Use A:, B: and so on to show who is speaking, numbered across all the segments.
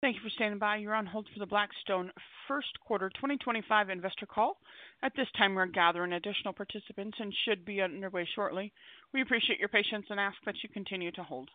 A: Thank you for standing by. You're on hold for the Blackstone first quarter 2025 investor call. At this time, we're gathering additional participants and should be underway shortly. We appreciate your patience and ask that you continue to hold.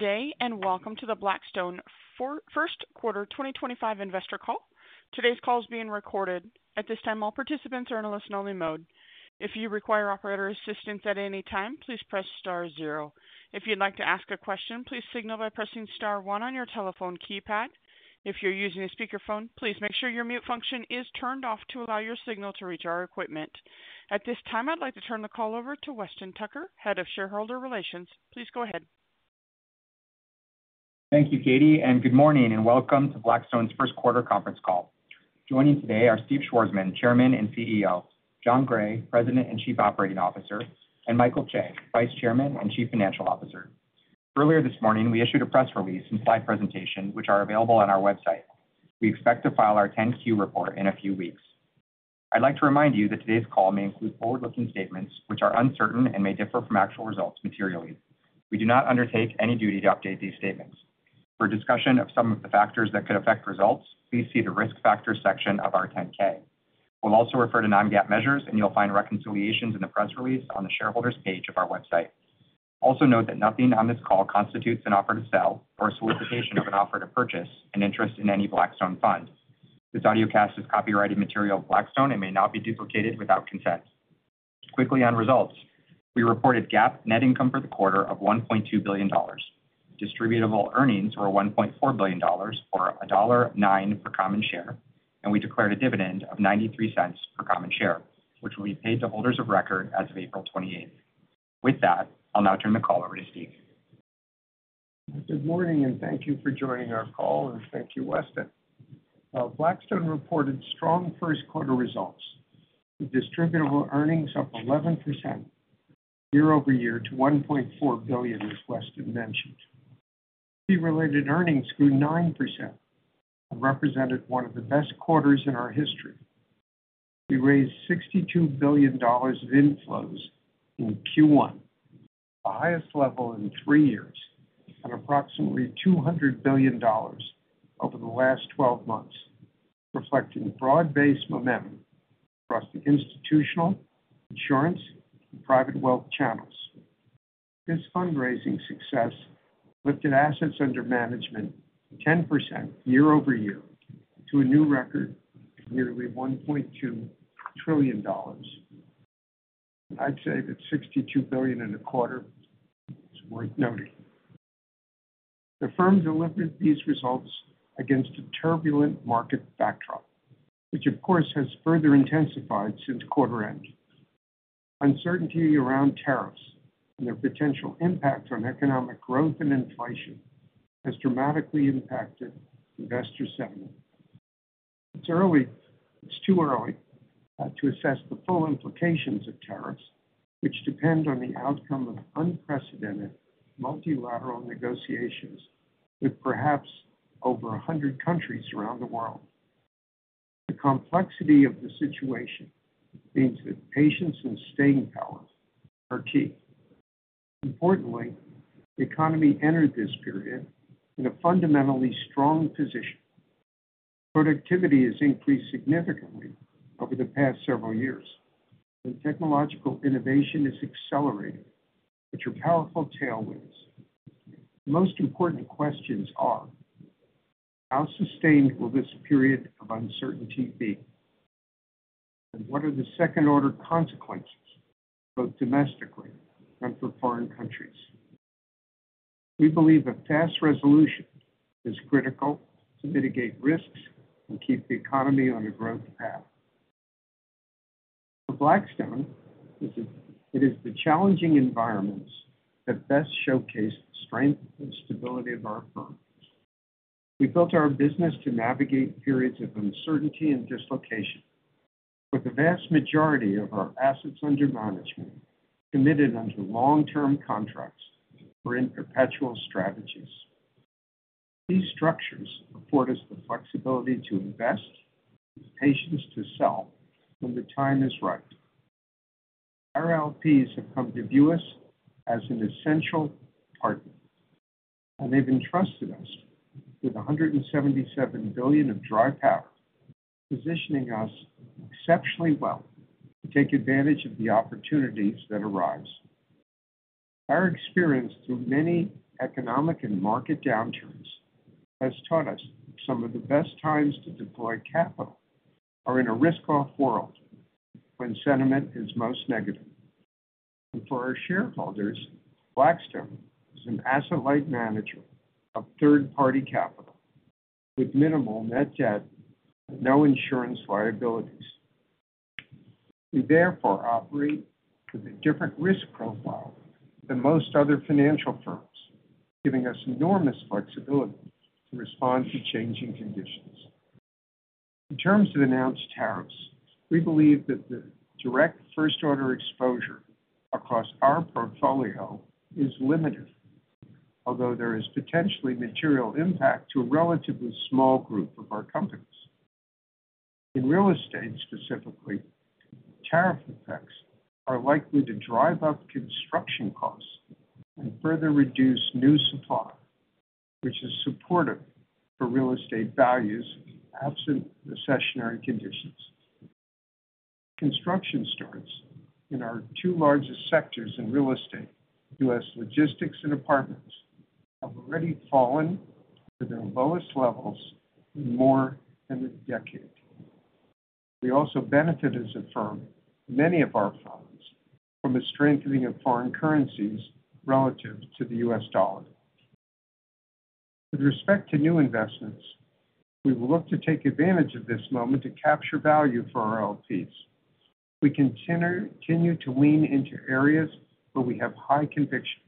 A: Good day and welcome to the Blackstone first quarter 2025 investor call. Today's call is being recorded. At this time, all participants are in a listen-only mode. If you require operator assistance at any time, please press star zero. If you'd like to ask a question, please signal by pressing star one on your telephone keypad. If you're using a speakerphone, please make sure your mute function is turned off to allow your signal to reach our equipment. At this time, I'd like to turn the call over to Weston Tucker, Head of Shareholder Relations. Please go ahead.
B: Thank you, Katie, and good morning and welcome to Blackstone's first quarter conference call. Joining today are Steve Schwarzman, Chairman and CEO; Jon Gray, President and Chief Operating Officer; and Michael Chae, Vice Chairman and Chief Financial Officer. Earlier this morning, we issued a press release and slide presentation, which are available on our website. We expect to file our 10-Q report in a few weeks. I'd like to remind you that today's call may include forward-looking statements, which are uncertain and may differ from actual results materially. We do not undertake any duty to update these statements. For discussion of some of the factors that could affect results, please see the risk factors section of our 10-K. We'll also refer to non-GAAP measures, and you'll find reconciliations in the press release on the shareholders' page of our website. Also note that nothing on this call constitutes an offer to sell or a solicitation of an offer to purchase an interest in any Blackstone fund. This audio cast is copyrighted material of Blackstone and may not be duplicated without consent. Quickly on results. We reported GAAP net income for the quarter of $1.2 billion. Distributable earnings were $1.4 billion or $1.09 per common share, and we declared a dividend of $0.93 per common share, which will be paid to holders of record as of April 28th. With that, I'll now turn the call over to Steve.
C: Good morning and thank you for joining our call, and thank you, Weston. Blackstone reported strong first quarter results. The distributable earnings up 11% year-over-year to $1.4 billion, as Weston mentioned. Equity-related earnings grew 9% and represented one of the best quarters in our history. We raised $62 billion of inflows in Q1, the highest level in three years, and approximately $200 billion over the last 12 months, reflecting broad-based momentum across the institutional, insurance, and private wealth channels. This fundraising success lifted assets under management 10% year-over-year to a new record of nearly $1.2 trillion. I'd say that $62 billion and a quarter is worth noting. The firm delivered these results against a turbulent market backdrop, which, of course, has further intensified since quarter end. Uncertainty around tariffs and their potential impact on economic growth and inflation has dramatically impacted investor sentiment. It's early; it's too early to assess the full implications of tariffs, which depend on the outcome of unprecedented multilateral negotiations with perhaps over 100 countries around the world. The complexity of the situation means that patience and staying power are key. Importantly, the economy entered this period in a fundamentally strong position. Productivity has increased significantly over the past several years, and technological innovation has accelerated, which are powerful tailwinds. The most important questions are: how sustained will this period of uncertainty be, and what are the second-order consequences both domestically and for foreign countries? We believe a fast resolution is critical to mitigate risks and keep the economy on a growth path. For Blackstone, it is the challenging environments that best showcase the strength and stability of our firm. We built our business to navigate periods of uncertainty and dislocation, with the vast majority of our assets under management committed under long-term contracts or in perpetual strategies. These structures afford us the flexibility to invest, patience to sell, and the time is right. Our LPs have come to view us as an essential partner, and they've entrusted us with $177 billion of dry powder, positioning us exceptionally well to take advantage of the opportunities that arise. Our experience through many economic and market downturns has taught us some of the best times to deploy capital are in a risk-off world when sentiment is most negative. For our shareholders, Blackstone is an asset-light manager of third-party capital with minimal net debt and no insurance liabilities. We therefore operate with a different risk profile than most other financial firms, giving us enormous flexibility to respond to changing conditions. In terms of announced tariffs, we believe that the direct first-order exposure across our portfolio is limited, although there is potentially material impact to a relatively small group of our companies. In real estate specifically, tariff effects are likely to drive up construction costs and further reduce new supply, which is supportive for real estate values absent recessionary conditions. As construction starts, in our two largest sectors in real estate, U.S. logistics and apartments have already fallen to their lowest levels in more than a decade. We also benefit as a firm, many of our funds from a strengthening of foreign currencies relative to the U.S. dollar. With respect to new investments, we will look to take advantage of this moment to capture value for our LPs if we continue to lean into areas where we have high conviction.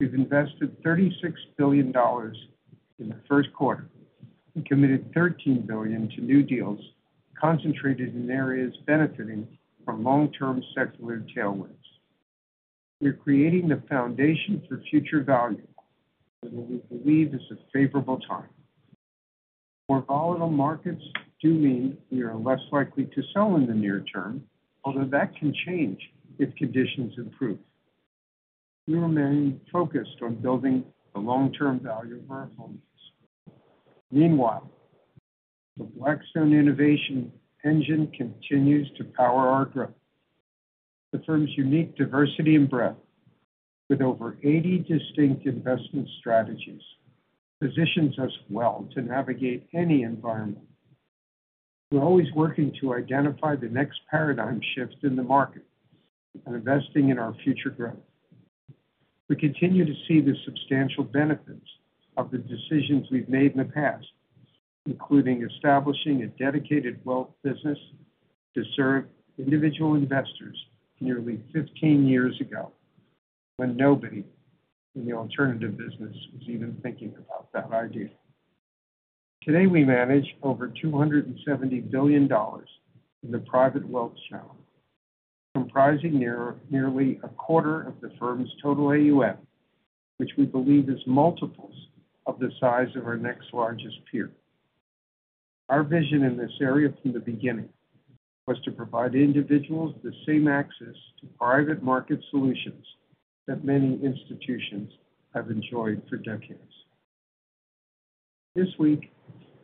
C: We've invested $36 billion in the first quarter and committed $13 billion to new deals concentrated in areas benefiting from long-term secular tailwinds. We're creating the foundation for future value, and we believe it's a favorable time. More volatile markets do mean we are less likely to sell in the near term, although that can change if conditions improve. We remain focused on building the long-term value of our homes. Meanwhile, the Blackstone innovation engine continues to power our growth. The firm's unique diversity and breadth, with over 80 distinct investment strategies, positions us well to navigate any environment. We're always working to identify the next paradigm shift in the market and investing in our future growth. We continue to see the substantial benefits of the decisions we have made in the past, including establishing a dedicated wealth business to serve individual investors nearly 15 years ago when nobody in the alternative business was even thinking about that idea. Today, we manage over $270 billion in the private wealth channel, comprising nearly a quarter of the firm's total AUM, which we believe is multiples of the size of our next largest peer. Our vision in this area from the beginning was to provide individuals the same access to private market solutions that many institutions have enjoyed for decades. This week,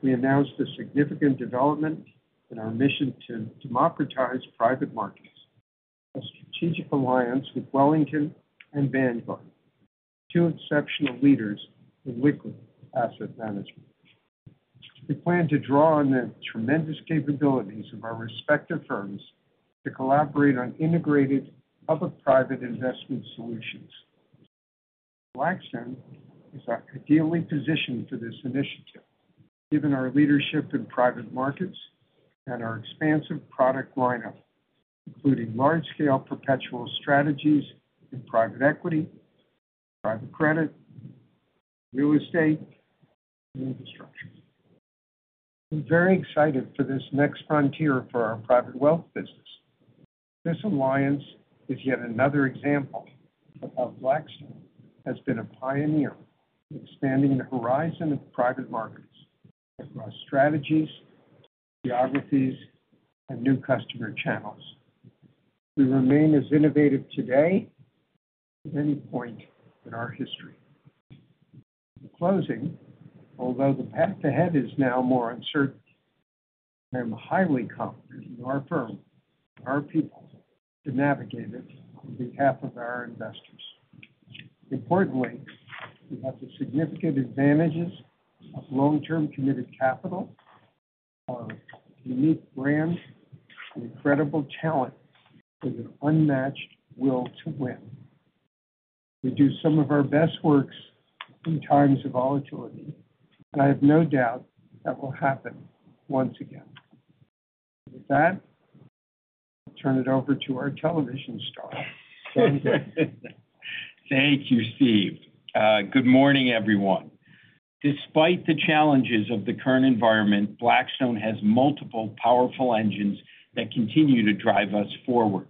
C: we announced a significant development in our mission to democratize private markets: a strategic alliance with Wellington and Vanguard, two exceptional leaders in liquid asset management. We plan to draw on the tremendous capabilities of our respective firms to collaborate on integrated public-private investment solutions. Blackstone is ideally positioned for this initiative, given our leadership in private markets and our expansive product lineup, including large-scale perpetual strategies in private equity, private credit, real estate, and infrastructure. We're very excited for this next frontier for our private wealth business. This alliance is yet another example of how Blackstone has been a pioneer in expanding the horizon of private markets across strategies, geographies, and new customer channels. We remain as innovative today as at any point in our history. In closing, although the path ahead is now more uncertain, I am highly confident in our firm and our people to navigate it on behalf of our investors. Importantly, we have the significant advantages of long-term committed capital, our unique brand, and incredible talent with an unmatched will to win. We do some of our best works in times of volatility, and I have no doubt that will happen once again. With that, I'll turn it over to our television star.
D: Thank you, Steve. Good morning, everyone. Despite the challenges of the current environment, Blackstone has multiple powerful engines that continue to drive us forward.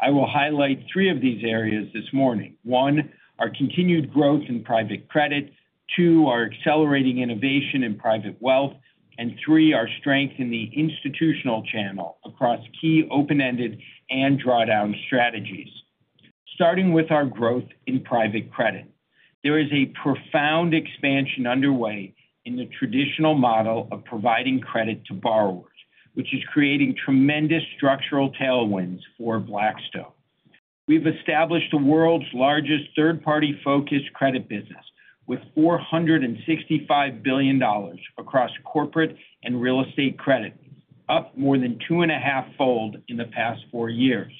D: I will highlight three of these areas this morning. One, our continued growth in private credit. Two, our accelerating innovation in private wealth. And three, our strength in the institutional channel across key open-ended and drawdown strategies. Starting with our growth in private credit, there is a profound expansion underway in the traditional model of providing credit to borrowers, which is creating tremendous structural tailwinds for Blackstone. We've established the world's largest third-party-focused credit business with $465 billion across corporate and real estate credit, up more than two and a half-fold in the past four years.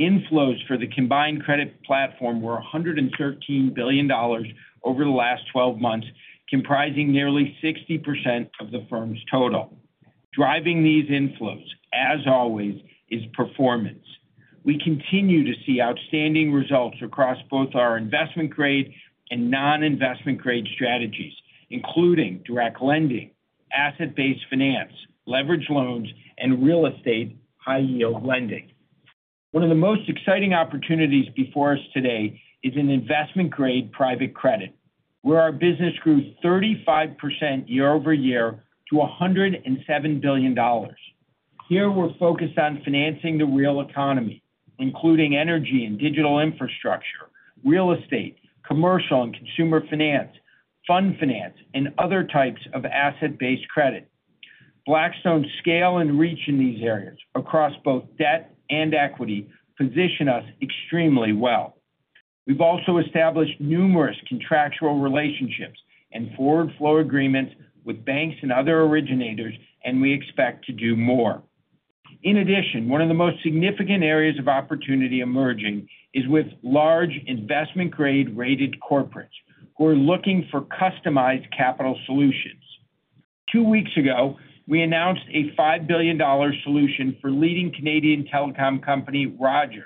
D: Inflows for the combined credit platform were $113 billion over the last 12 months, comprising nearly 60% of the firm's total. Driving these inflows, as always, is performance. We continue to see outstanding results across both our investment-grade and non-investment-grade strategies, including direct lending, asset-based finance, leveraged loans, and real estate high-yield lending. One of the most exciting opportunities before us today is in investment-grade private credit, where our business grew 35% year-over-year to $107 billion. Here, we're focused on financing the real economy, including energy and digital infrastructure, real estate, commercial and consumer finance, fund finance, and other types of asset-based credit. Blackstone's scale and reach in these areas across both debt and equity position us extremely well. We've also established numerous contractual relationships and forward flow agreements with banks and other originators, and we expect to do more. In addition, one of the most significant areas of opportunity emerging is with large investment-grade rated corporates who are looking for customized capital solutions. Two weeks ago, we announced a $5 billion solution for leading Canadian telecom company Rogers,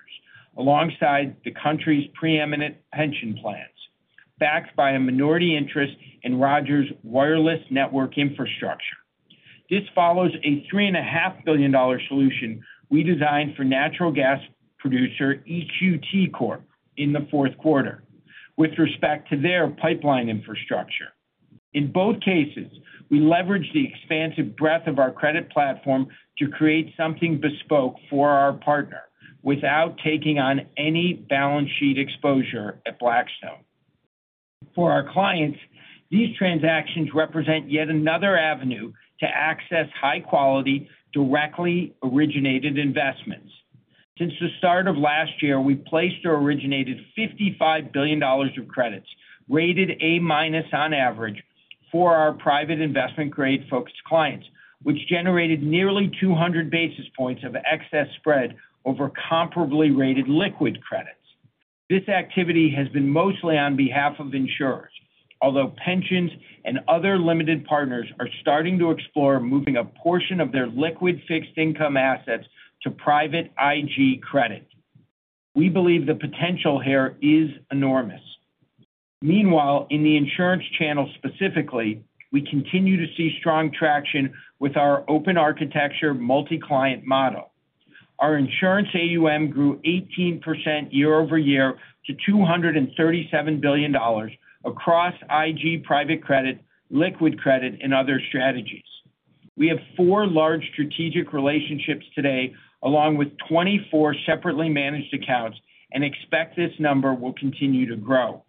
D: alongside the country's preeminent pension plans, backed by a minority interest in Rogers' wireless network infrastructure. This follows a $3.5 billion solution we designed for natural gas producer EQT Corp in the fourth quarter with respect to their pipeline infrastructure. In both cases, we leveraged the expansive breadth of our credit platform to create something bespoke for our partner without taking on any balance sheet exposure at Blackstone. For our clients, these transactions represent yet another avenue to access high-quality directly originated investments. Since the start of last year, we've placed or originated $55 billion of credits rated A- on average for our private investment-grade focused clients, which generated nearly 200 basis points of excess spread over comparably rated liquid credits. This activity has been mostly on behalf of insurers, although pensions and other limited partners are starting to explore moving a portion of their liquid fixed income assets to private IG credit. We believe the potential here is enormous. Meanwhile, in the insurance channel specifically, we continue to see strong traction with our open architecture multi-client model. Our insurance AUM grew 18% year-over-year to $237 billion across IG private credit, liquid credit, and other strategies. We have four large strategic relationships today, along with 24 separately managed accounts, and expect this number will continue to grow.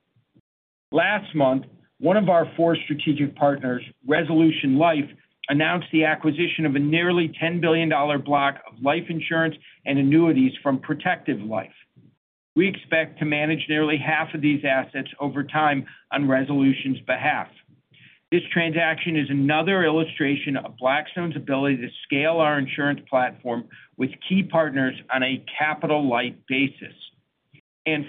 D: Last month, one of our four strategic partners, Resolution Life, announced the acquisition of a nearly $10 billion block of life insurance and annuities from Protective Life. We expect to manage nearly half of these assets over time on Resolution's behalf. This transaction is another illustration of Blackstone's ability to scale our insurance platform with key partners on a capital-light basis.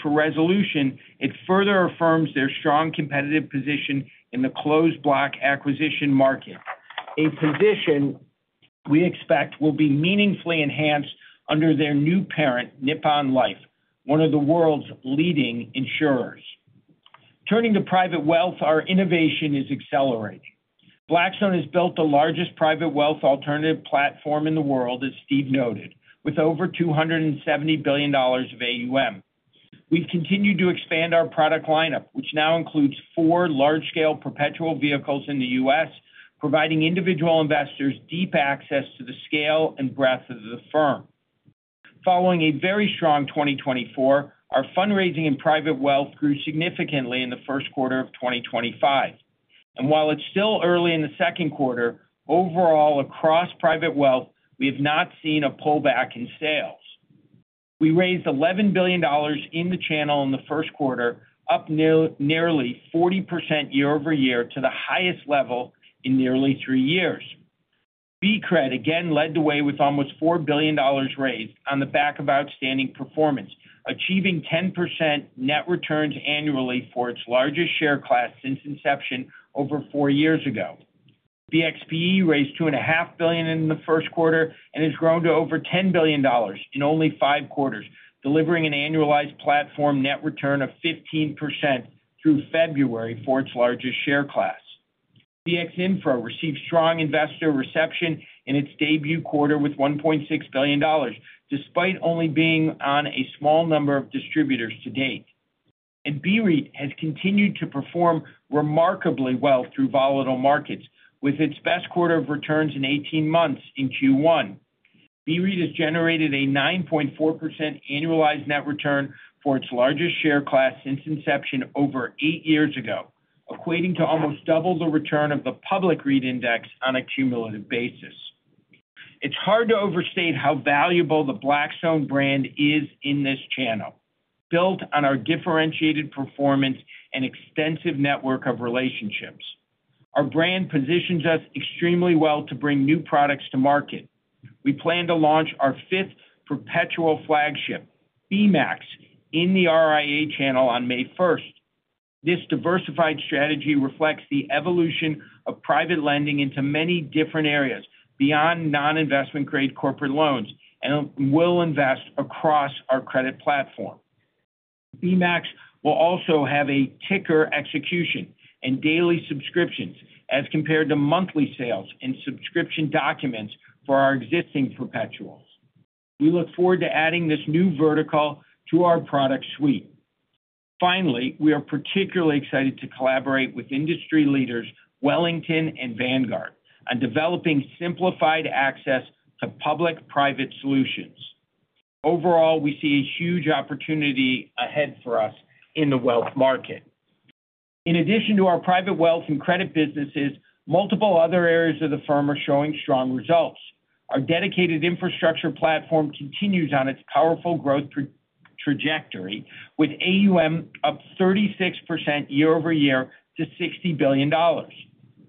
D: For Resolution, it further affirms their strong competitive position in the closed block acquisition market, a position we expect will be meaningfully enhanced under their new parent, Nippon Life, one of the world's leading insurers. Turning to private wealth, our innovation is accelerating. Blackstone has built the largest private wealth alternative platform in the world, as Steve noted, with over $270 billion of AUM. We have continued to expand our product lineup, which now includes four large-scale perpetual vehicles in the U.S., providing individual investors deep access to the scale and breadth of the firm. Following a very strong 2024, our fundraising in private wealth grew significantly in the first quarter of 2025. While it is still early in the second quarter, overall across private wealth, we have not seen a pullback in sales. We raised $11 billion in the channel in the first quarter, up nearly 40% year-over-year to the highest level in nearly three years. BCRED again led the way with almost $4 billion raised on the back of outstanding performance, achieving 10% net returns annually for its largest share class since inception over four years ago. BXPE raised $2.5 billion in the first quarter and has grown to over $10 billion in only five quarters, delivering an annualized platform net return of 15% through February for its largest share class. BXINFRA received strong investor reception in its debut quarter with $1.6 billion, despite only being on a small number of distributors to date. BREIT has continued to perform remarkably well through volatile markets, with its best quarter of returns in 18 months in Q1. BREIT has generated a 9.4% annualized net return for its largest share class since inception over eight years ago, equating to almost double the return of the public REIT index on a cumulative basis. It's hard to overstate how valuable the Blackstone brand is in this channel, built on our differentiated performance and extensive network of relationships. Our brand positions us extremely well to bring new products to market. We plan to launch our fifth perpetual flagship, BMACX, in the RIA channel on May 1st. This diversified strategy reflects the evolution of private lending into many different areas beyond non-investment-grade corporate loans and will invest across our credit platform. BMACX will also have a ticker execution and daily subscriptions as compared to monthly sales and subscription documents for our existing perpetuals. We look forward to adding this new vertical to our product suite. Finally, we are particularly excited to collaborate with industry leaders Wellington and Vanguard on developing simplified access to public-private solutions. Overall, we see a huge opportunity ahead for us in the wealth market. In addition to our private wealth and credit businesses, multiple other areas of the firm are showing strong results. Our dedicated infrastructure platform continues on its powerful growth trajectory, with AUM up 36% year-over-year to $60 billion.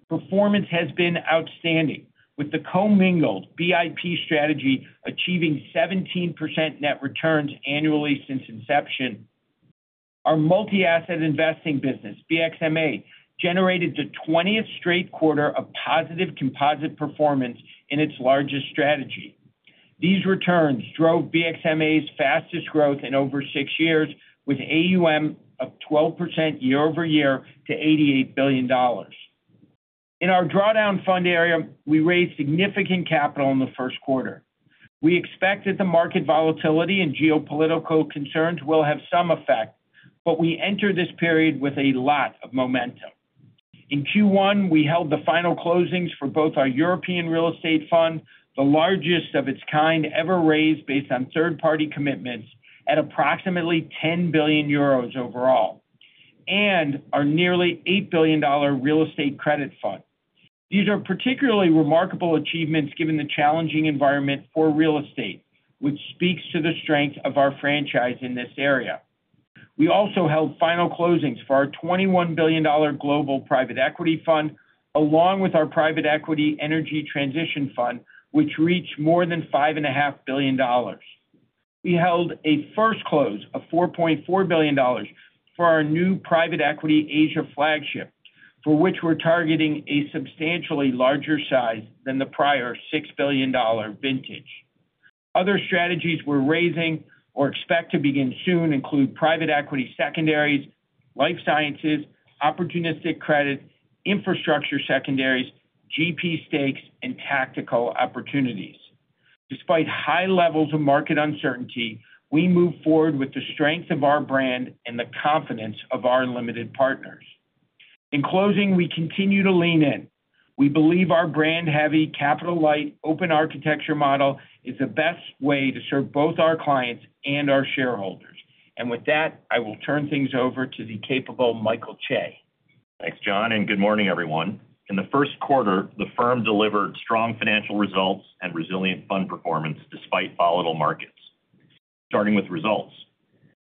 D: Performance has been outstanding, with the co-mingled VIP strategy achieving 17% net returns annually since inception. Our multi-asset investing business, BXMA, generated the 20th straight quarter of positive composite performance in its largest strategy. These returns drove BXMA's fastest growth in over six years, with AUM up 12% year-over-year to $88 billion. In our drawdown fund area, we raised significant capital in the first quarter. We expect that the market volatility and geopolitical concerns will have some effect, but we enter this period with a lot of momentum. In Q1, we held the final closings for both our European real estate fund, the largest of its kind ever raised based on third-party commitments at approximately 10 billion euros overall, and our nearly $8 billion real estate credit fund. These are particularly remarkable achievements given the challenging environment for real estate, which speaks to the strength of our franchise in this area. We also held final closings for our $21 billion global private equity fund, along with our private equity energy transition fund, which reached more than $5.5 billion. We held a first close of $4.4 billion for our new private equity Asia flagship, for which we're targeting a substantially larger size than the prior $6 billion vintage. Other strategies we're raising or expect to begin soon include private equity secondaries, life sciences, opportunistic credit, infrastructure secondaries, GP stakes, and tactical opportunities. Despite high levels of market uncertainty, we move forward with the strength of our brand and the confidence of our limited partners. In closing, we continue to lean in. We believe our brand-heavy, capital-light, open architecture model is the best way to serve both our clients and our shareholders. With that, I will turn things over to the capable Michael Chae.
E: Thanks, Jon, and good morning, everyone. In the first quarter, the firm delivered strong financial results and resilient fund performance despite volatile markets. Starting with results,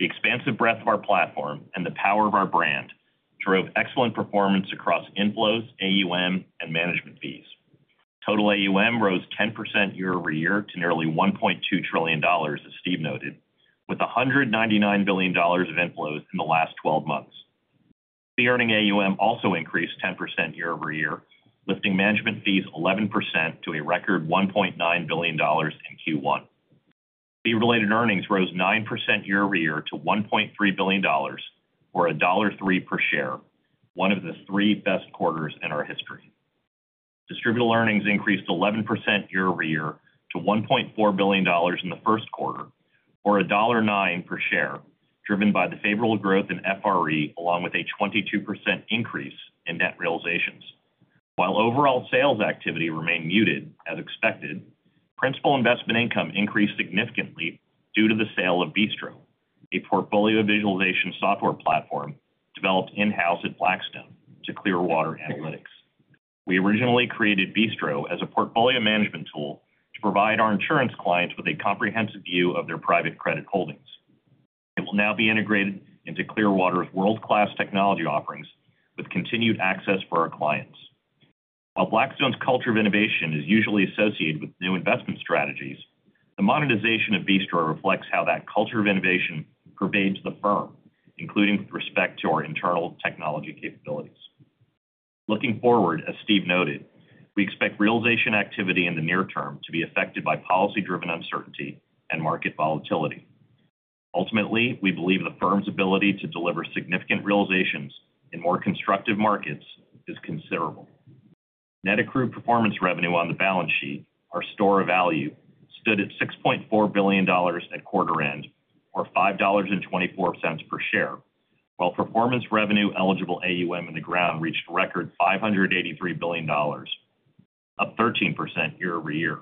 E: the expansive breadth of our platform and the power of our brand drove excellent performance across inflows, AUM, and management fees. Total AUM rose 10% year-over-year to nearly $1.2 trillion, as Steve noted, with $199 billion of inflows in the last 12 months. Fee-earning AUM also increased 10% year-over-year, lifting management fees 11% to a record $1.9 billion in Q1. Fee-related earnings rose 9% year-over-year to $1.3 billion, or $1.03 per share, one of the three best quarters in our history. Distributable earnings increased 11% year-over-year to $1.4 billion in the first quarter, or $1.09 per share, driven by the favorable growth in FRE, along with a 22% increase in net realizations. While overall sales activity remained muted as expected, principal investment income increased significantly due to the sale of Bistro, a portfolio visualization software platform developed in-house at Blackstone to Clearwater Analytics. We originally created Bistro as a portfolio management tool to provide our insurance clients with a comprehensive view of their private credit holdings. It will now be integrated into Clearwater's world-class technology offerings with continued access for our clients. While Blackstone's culture of innovation is usually associated with new investment strategies, the monetization of Bistro reflects how that culture of innovation pervades the firm, including with respect to our internal technology capabilities. Looking forward, as Steve noted, we expect realization activity in the near term to be affected by policy-driven uncertainty and market volatility. Ultimately, we believe the firm's ability to deliver significant realizations in more constructive markets is considerable. Net accrued performance revenue on the balance sheet, our store of value, stood at $6.4 billion at quarter end, or $5.24 per share, while performance revenue eligible AUM in the ground reached a record $583 billion, up 13% year-over-year.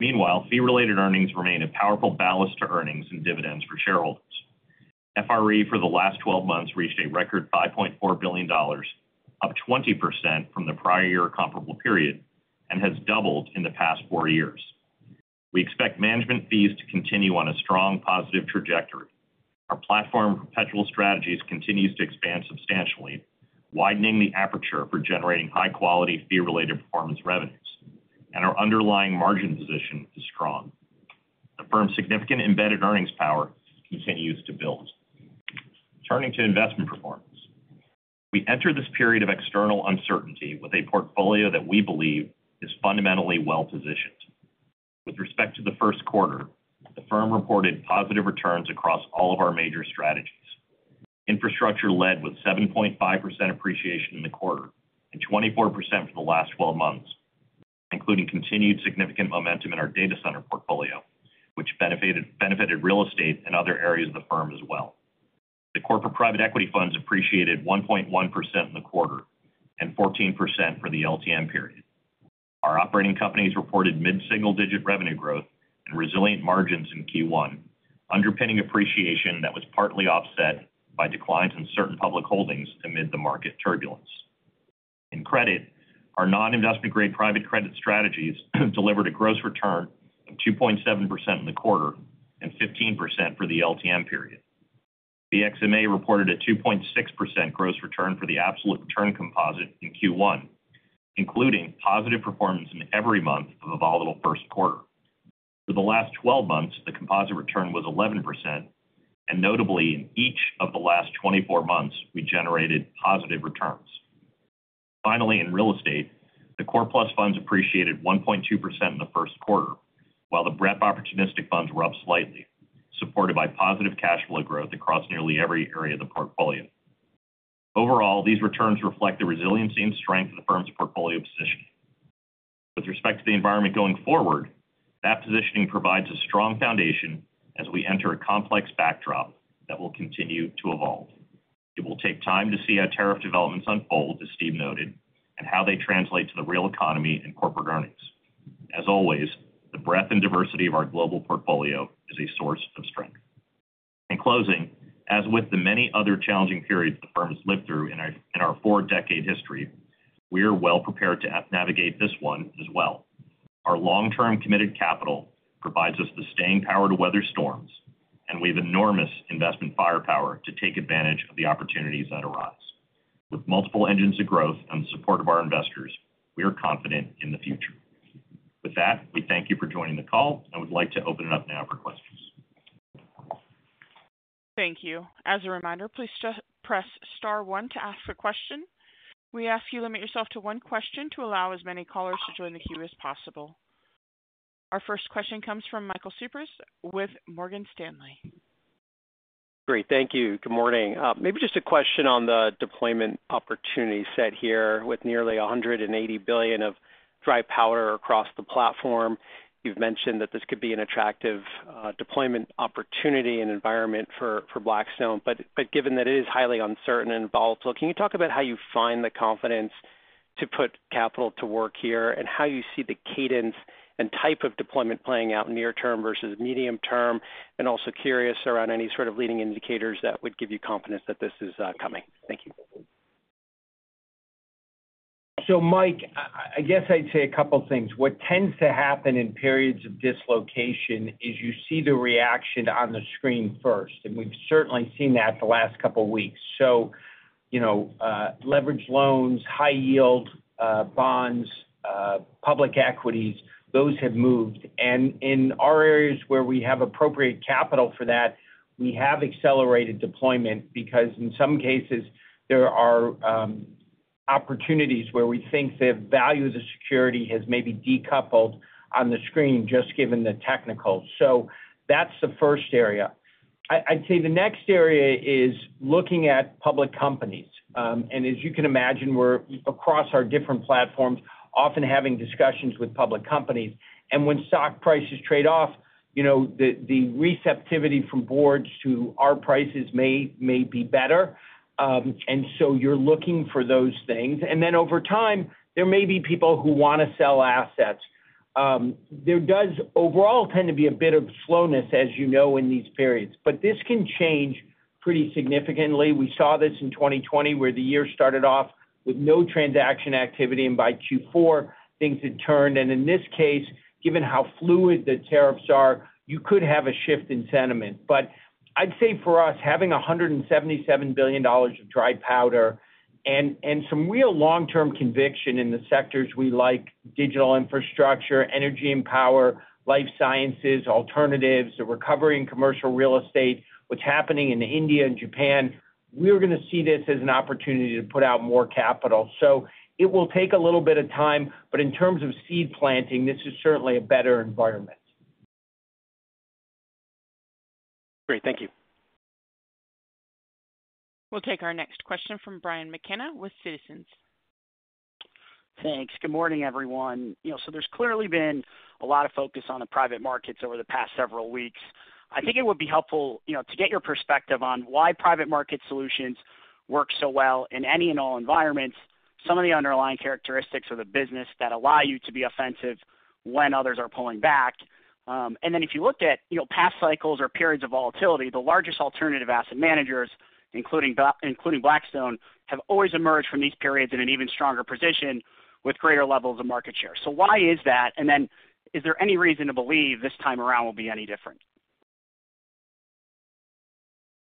E: Meanwhile, fee-related earnings remain a powerful balance to earnings and dividends for shareholders. FRE for the last 12 months reached a record $5.4 billion, up 20% from the prior year comparable period, and has doubled in the past four years. We expect management fees to continue on a strong positive trajectory. Our platform perpetual strategies continues to expand substantially, widening the aperture for generating high-quality fee-related performance revenues, and our underlying margin position is strong. The firm's significant embedded earnings power continues to build. Turning to investment performance, we enter this period of external uncertainty with a portfolio that we believe is fundamentally well-positioned. With respect to the first quarter, the firm reported positive returns across all of our major strategies. Infrastructure led with 7.5% appreciation in the quarter and 24% for the last 12 months, including continued significant momentum in our data center portfolio, which benefited real estate and other areas of the firm as well. The corporate private equity funds appreciated 1.1% in the quarter and 14% for the LTM period. Our operating companies reported mid-single-digit revenue growth and resilient margins in Q1, underpinning appreciation that was partly offset by declines in certain public holdings amid the market turbulence. In credit, our non-investment-grade private credit strategies delivered a gross return of 2.7% in the quarter and 15% for the LTM period. BXMA reported a 2.6% gross return for the absolute return composite in Q1, including positive performance in every month of a volatile first quarter. For the last 12 months, the composite return was 11%, and notably, in each of the last 24 months, we generated positive returns. Finally, in real estate, the core plus funds appreciated 1.2% in the first quarter, while the BREP opportunistic funds rubbed slightly, supported by positive cash flow growth across nearly every area of the portfolio. Overall, these returns reflect the resiliency and strength of the firm's portfolio positioning. With respect to the environment going forward, that positioning provides a strong foundation as we enter a complex backdrop that will continue to evolve. It will take time to see how tariff developments unfold, as Steve noted, and how they translate to the real economy and corporate earnings. As always, the breadth and diversity of our global portfolio is a source of strength. In closing, as with the many other challenging periods the firm has lived through in our four-decade history, we are well-prepared to navigate this one as well. Our long-term committed capital provides us the staying power to weather storms, and we have enormous investment firepower to take advantage of the opportunities that arise. With multiple engines of growth and the support of our investors, we are confident in the future. With that, we thank you for joining the call and would like to open it up now for questions.
A: Thank you. As a reminder, please press star one to ask a question. We ask you to limit yourself to one question to allow as many callers to join the queue as possible. Our first question comes from Michael Cyprys with Morgan Stanley.
F: Great. Thank you. Good morning. Maybe just a question on the deployment opportunity set here with nearly $180 billion of dry powder across the platform. You have mentioned that this could be an attractive deployment opportunity and environment for Blackstone. Given that it is highly uncertain and volatile, can you talk about how you find the confidence to put capital to work here and how you see the cadence and type of deployment playing out near-term versus medium-term? I am also curious around any sort of leading indicators that would give you confidence that this is coming. Thank you.
D: Mike, I guess I'd say a couple of things. What tends to happen in periods of dislocation is you see the reaction on the screen first. We've certainly seen that the last couple of weeks. Leverage loans, high-yield bonds, public equities, those have moved. In our areas where we have appropriate capital for that, we have accelerated deployment because in some cases, there are opportunities where we think the value of the security has maybe decoupled on the screen just given the technicals. That's the first area. I'd say the next area is looking at public companies. As you can imagine, we're across our different platforms often having discussions with public companies. When stock prices trade off, the receptivity from boards to our prices may be better. You're looking for those things. Over time, there may be people who want to sell assets. There does overall tend to be a bit of slowness, as you know, in these periods. This can change pretty significantly. We saw this in 2020 where the year started off with no transaction activity. By Q4, things had turned. In this case, given how fluid the tariffs are, you could have a shift in sentiment. I'd say for us, having $177 billion of dry powder and some real long-term conviction in the sectors we like, digital infrastructure, energy and power, life sciences, alternatives, the recovery in commercial real estate, what's happening in India and Japan, we're going to see this as an opportunity to put out more capital. It will take a little bit of time. In terms of seed planting, this is certainly a better environment.
F: Great. Thank you.
A: We'll take our next question from Brian McKenna with Citizens.
G: Thanks. Good morning, everyone. There has clearly been a lot of focus on the private markets over the past several weeks. I think it would be helpful to get your perspective on why private market solutions work so well in any and all environments, some of the underlying characteristics of the business that allow you to be offensive when others are pulling back. If you look at past cycles or periods of volatility, the largest alternative asset managers, including Blackstone, have always emerged from these periods in an even stronger position with greater levels of market share. Why is that? Is there any reason to believe this time around will be any different?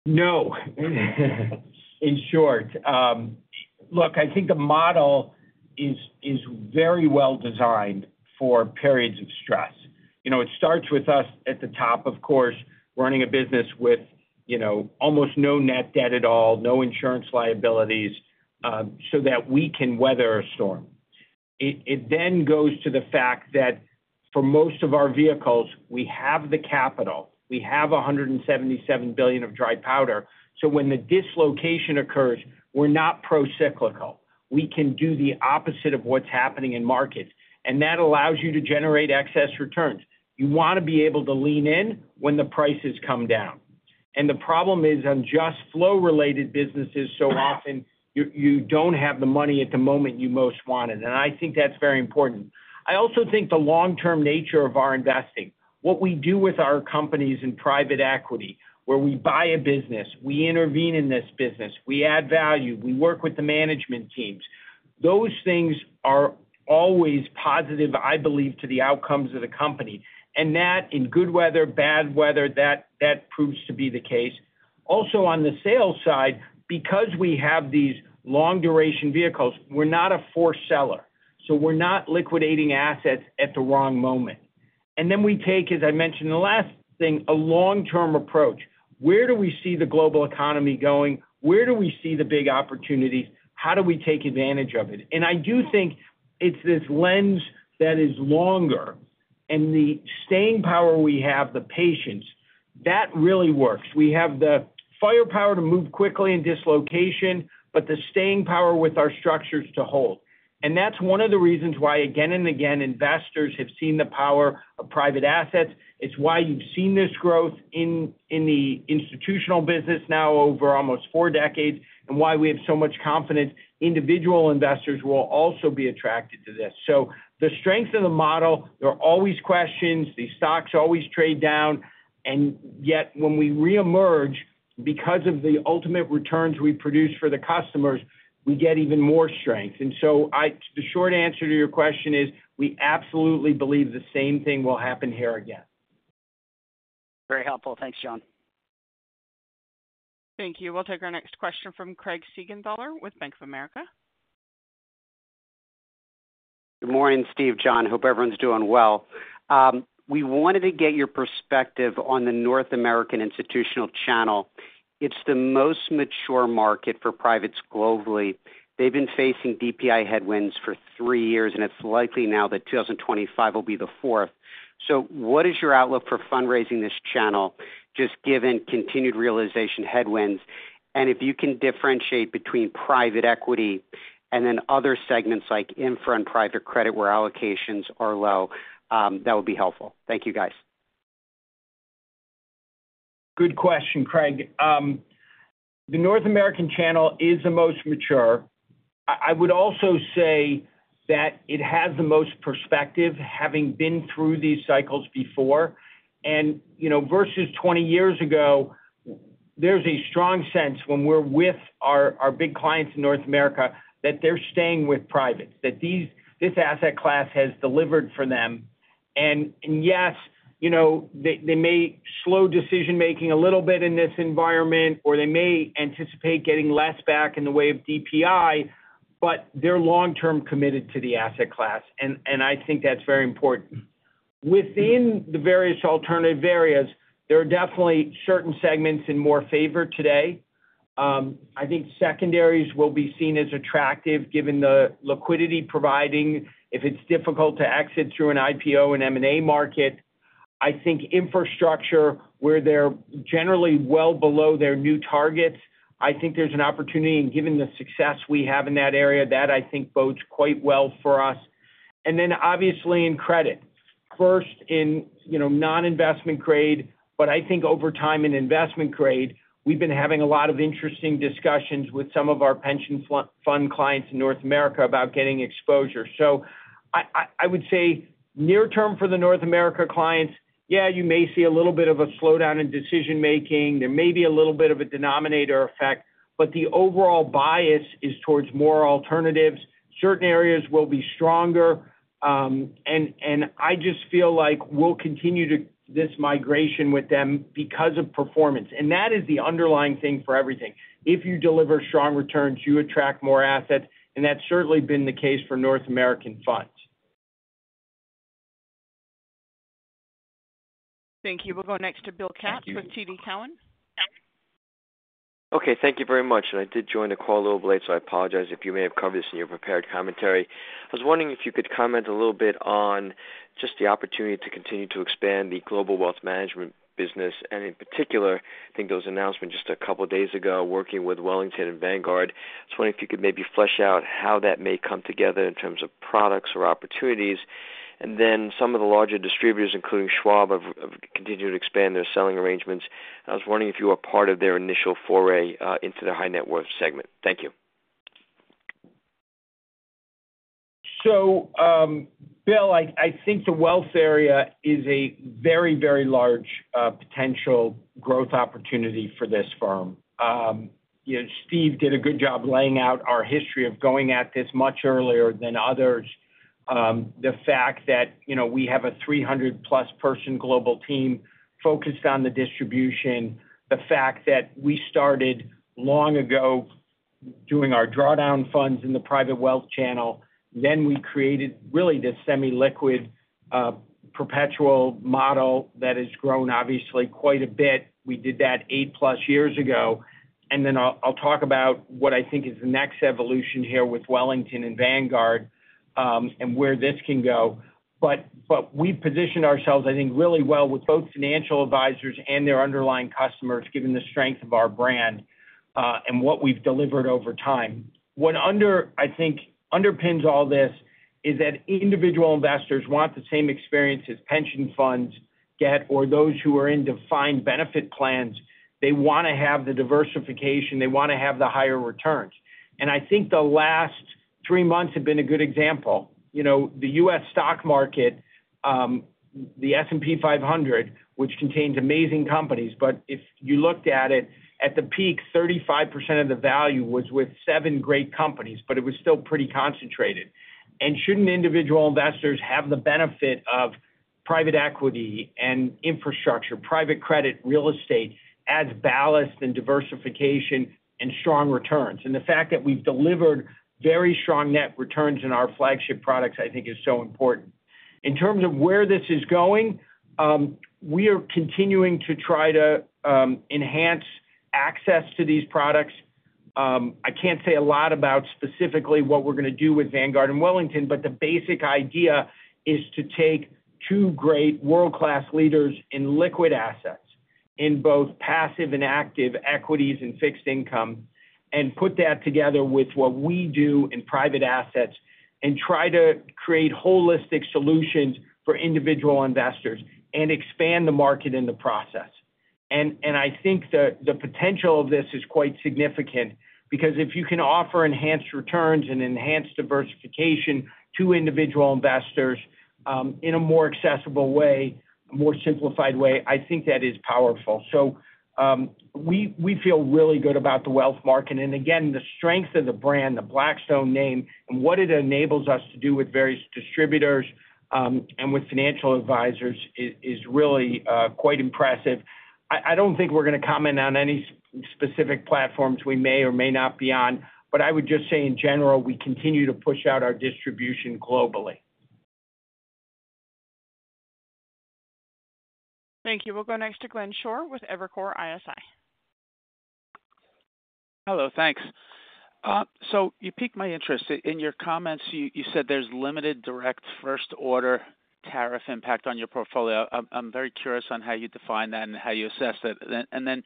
D: No. In short, look, I think the model is very well designed for periods of stress. It starts with us at the top, of course, running a business with almost no net debt at all, no insurance liabilities, so that we can weather a storm. It then goes to the fact that for most of our vehicles, we have the capital. We have $177 billion of dry powder. When the dislocation occurs, we're not pro-cyclical. We can do the opposite of what's happening in markets. That allows you to generate excess returns. You want to be able to lean in when the prices come down. The problem is on just flow-related businesses, so often you don't have the money at the moment you most want it. I think that's very important. I also think the long-term nature of our investing, what we do with our companies in private equity, where we buy a business, we intervene in this business, we add value, we work with the management teams, those things are always positive, I believe, to the outcomes of the company. That in good weather, bad weather, that proves to be the case. Also, on the sales side, because we have these long-duration vehicles, we're not a force seller. We're not liquidating assets at the wrong moment. We take, as I mentioned in the last thing, a long-term approach. Where do we see the global economy going? Where do we see the big opportunities? How do we take advantage of it? I do think it's this lens that is longer and the staying power we have, the patience, that really works. We have the firepower to move quickly in dislocation, but the staying power with our structures to hold. That is one of the reasons why, again and again, investors have seen the power of private assets. It is why you have seen this growth in the institutional business now over almost four decades and why we have so much confidence individual investors will also be attracted to this. The strength of the model, there are always questions. The stocks always trade down. Yet when we reemerge, because of the ultimate returns we produce for the customers, we get even more strength. The short answer to your question is we absolutely believe the same thing will happen here again.
G: Very helpful. Thanks, Jon.
A: Thank you. We'll take our next question from Craig Siegenthaler with Bank of America.
H: Good morning, Steve, Jon. Hope everyone's doing well. We wanted to get your perspective on the North American institutional channel. It's the most mature market for privates globally. They've been facing DPI headwinds for three years, and it's likely now that 2025 will be the fourth. What is your outlook for fundraising this channel, just given continued realization headwinds? If you can differentiate between private equity and then other segments like infra and private credit where allocations are low, that would be helpful. Thank you, guys.
D: Good question, Craig. The North American channel is the most mature. I would also say that it has the most perspective, having been through these cycles before. Versus 20 years ago, there's a strong sense when we're with our big clients in North America that they're staying with privates, that this asset class has delivered for them. Yes, they may slow decision-making a little bit in this environment, or they may anticipate getting less back in the way of DPI, but they're long-term committed to the asset class. I think that's very important. Within the various alternative areas, there are definitely certain segments in more favor today. I think secondaries will be seen as attractive given the liquidity providing. If it's difficult to exit through an IPO and M&A market, I think infrastructure where they're generally well below their new targets, I think there's an opportunity. Given the success we have in that area, that I think bodes quite well for us. Obviously in credit, first in non-investment grade, but I think over time in investment grade, we've been having a lot of interesting discussions with some of our pension fund clients in North America about getting exposure. I would say near-term for the North America clients, yeah, you may see a little bit of a slowdown in decision-making. There may be a little bit of a denominator effect, but the overall bias is towards more alternatives. Certain areas will be stronger. I just feel like we'll continue this migration with them because of performance. That is the underlying thing for everything. If you deliver strong returns, you attract more assets. That's certainly been the case for North American funds.
A: Thank you. We'll go next to Bill Katz with TD Cowen.
I: Okay. Thank you very much. I did join the call a little late, so I apologize if you may have covered this in your prepared commentary. I was wondering if you could comment a little bit on just the opportunity to continue to expand the global wealth management business. In particular, I think there was an announcement just a couple of days ago working with Wellington and Vanguard. I was wondering if you could maybe flesh out how that may come together in terms of products or opportunities. Some of the larger distributors, including Schwab, have continued to expand their selling arrangements. I was wondering if you were part of their initial foray into the high-net-worth segment. Thank you.
D: Bill, I think the wealth area is a very, very large potential growth opportunity for this firm. Steve did a good job laying out our history of going at this much earlier than others, the fact that we have a 300+ person global team focused on the distribution, the fact that we started long ago doing our drawdown funds in the private wealth channel. We created really this semi-liquid perpetual model that has grown obviously quite a bit. We did that eight-plus years ago. I will talk about what I think is the next evolution here with Wellington and Vanguard and where this can go. We positioned ourselves, I think, really well with both financial advisors and their underlying customers, given the strength of our brand and what we have delivered over time. What I think underpins all this is that individual investors want the same experience as pension funds get or those who are in defined benefit plans. They want to have the diversification. They want to have the higher returns. I think the last three months have been a good example. The U.S. stock market, the S&P 500, which contains amazing companies, but if you looked at it at the peak, 35% of the value was with seven great companies, but it was still pretty concentrated. Shouldn't individual investors have the benefit of private equity and infrastructure, private credit, real estate as ballast and diversification and strong returns? The fact that we have delivered very strong net returns in our flagship products, I think, is so important. In terms of where this is going, we are continuing to try to enhance access to these products. I can't say a lot about specifically what we're going to do with Vanguard and Wellington, but the basic idea is to take two great world-class leaders in liquid assets in both passive and active equities and fixed income and put that together with what we do in private assets and try to create holistic solutions for individual investors and expand the market in the process. I think the potential of this is quite significant because if you can offer enhanced returns and enhanced diversification to individual investors in a more accessible way, a more simplified way, I think that is powerful. We feel really good about the wealth market. Again, the strength of the brand, the Blackstone name, and what it enables us to do with various distributors and with financial advisors is really quite impressive. I don't think we're going to comment on any specific platforms we may or may not be on, but I would just say in general, we continue to push out our distribution globally.
A: Thank you. We'll go next to Glenn Schorr with Evercore ISI.
J: Hello. Thanks. You piqued my interest. In your comments, you said there's limited direct first-order tariff impact on your portfolio. I'm very curious on how you define that and how you assess it.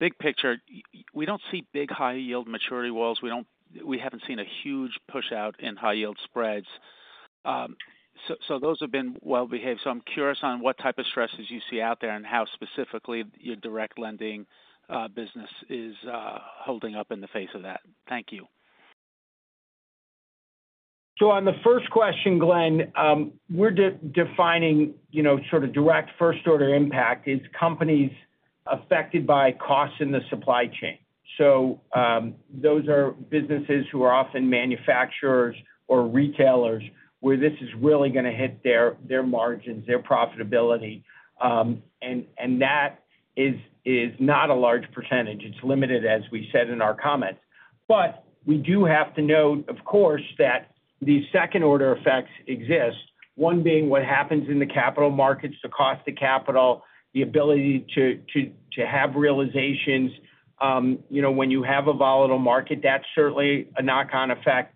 J: Big picture, we don't see big high-yield maturity walls. We haven't seen a huge push out in high-yield spreads. Those have been well-behaved. I'm curious on what type of stresses you see out there and how specifically your direct lending business is holding up in the face of that. Thank you.
D: On the first question, Glenn, we're defining sort of direct first-order impact as companies affected by costs in the supply chain. Those are businesses who are often manufacturers or retailers where this is really going to hit their margins, their profitability. That is not a large percentage. It's limited, as we said in our comments. We do have to note, of course, that these second-order effects exist, one being what happens in the capital markets, the cost of capital, the ability to have realizations when you have a volatile market. That's certainly a knock-on effect.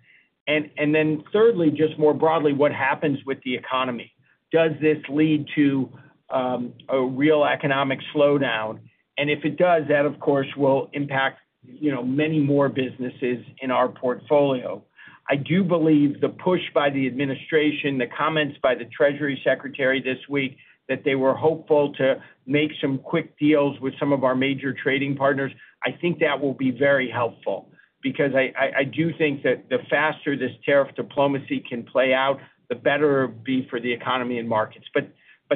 D: Thirdly, just more broadly, what happens with the economy? Does this lead to a real economic slowdown? If it does, that, of course, will impact many more businesses in our portfolio. I do believe the push by the administration, the comments by the Treasury Secretary this week that they were hopeful to make some quick deals with some of our major trading partners, I think that will be very helpful because I do think that the faster this tariff diplomacy can play out, the better it will be for the economy and markets.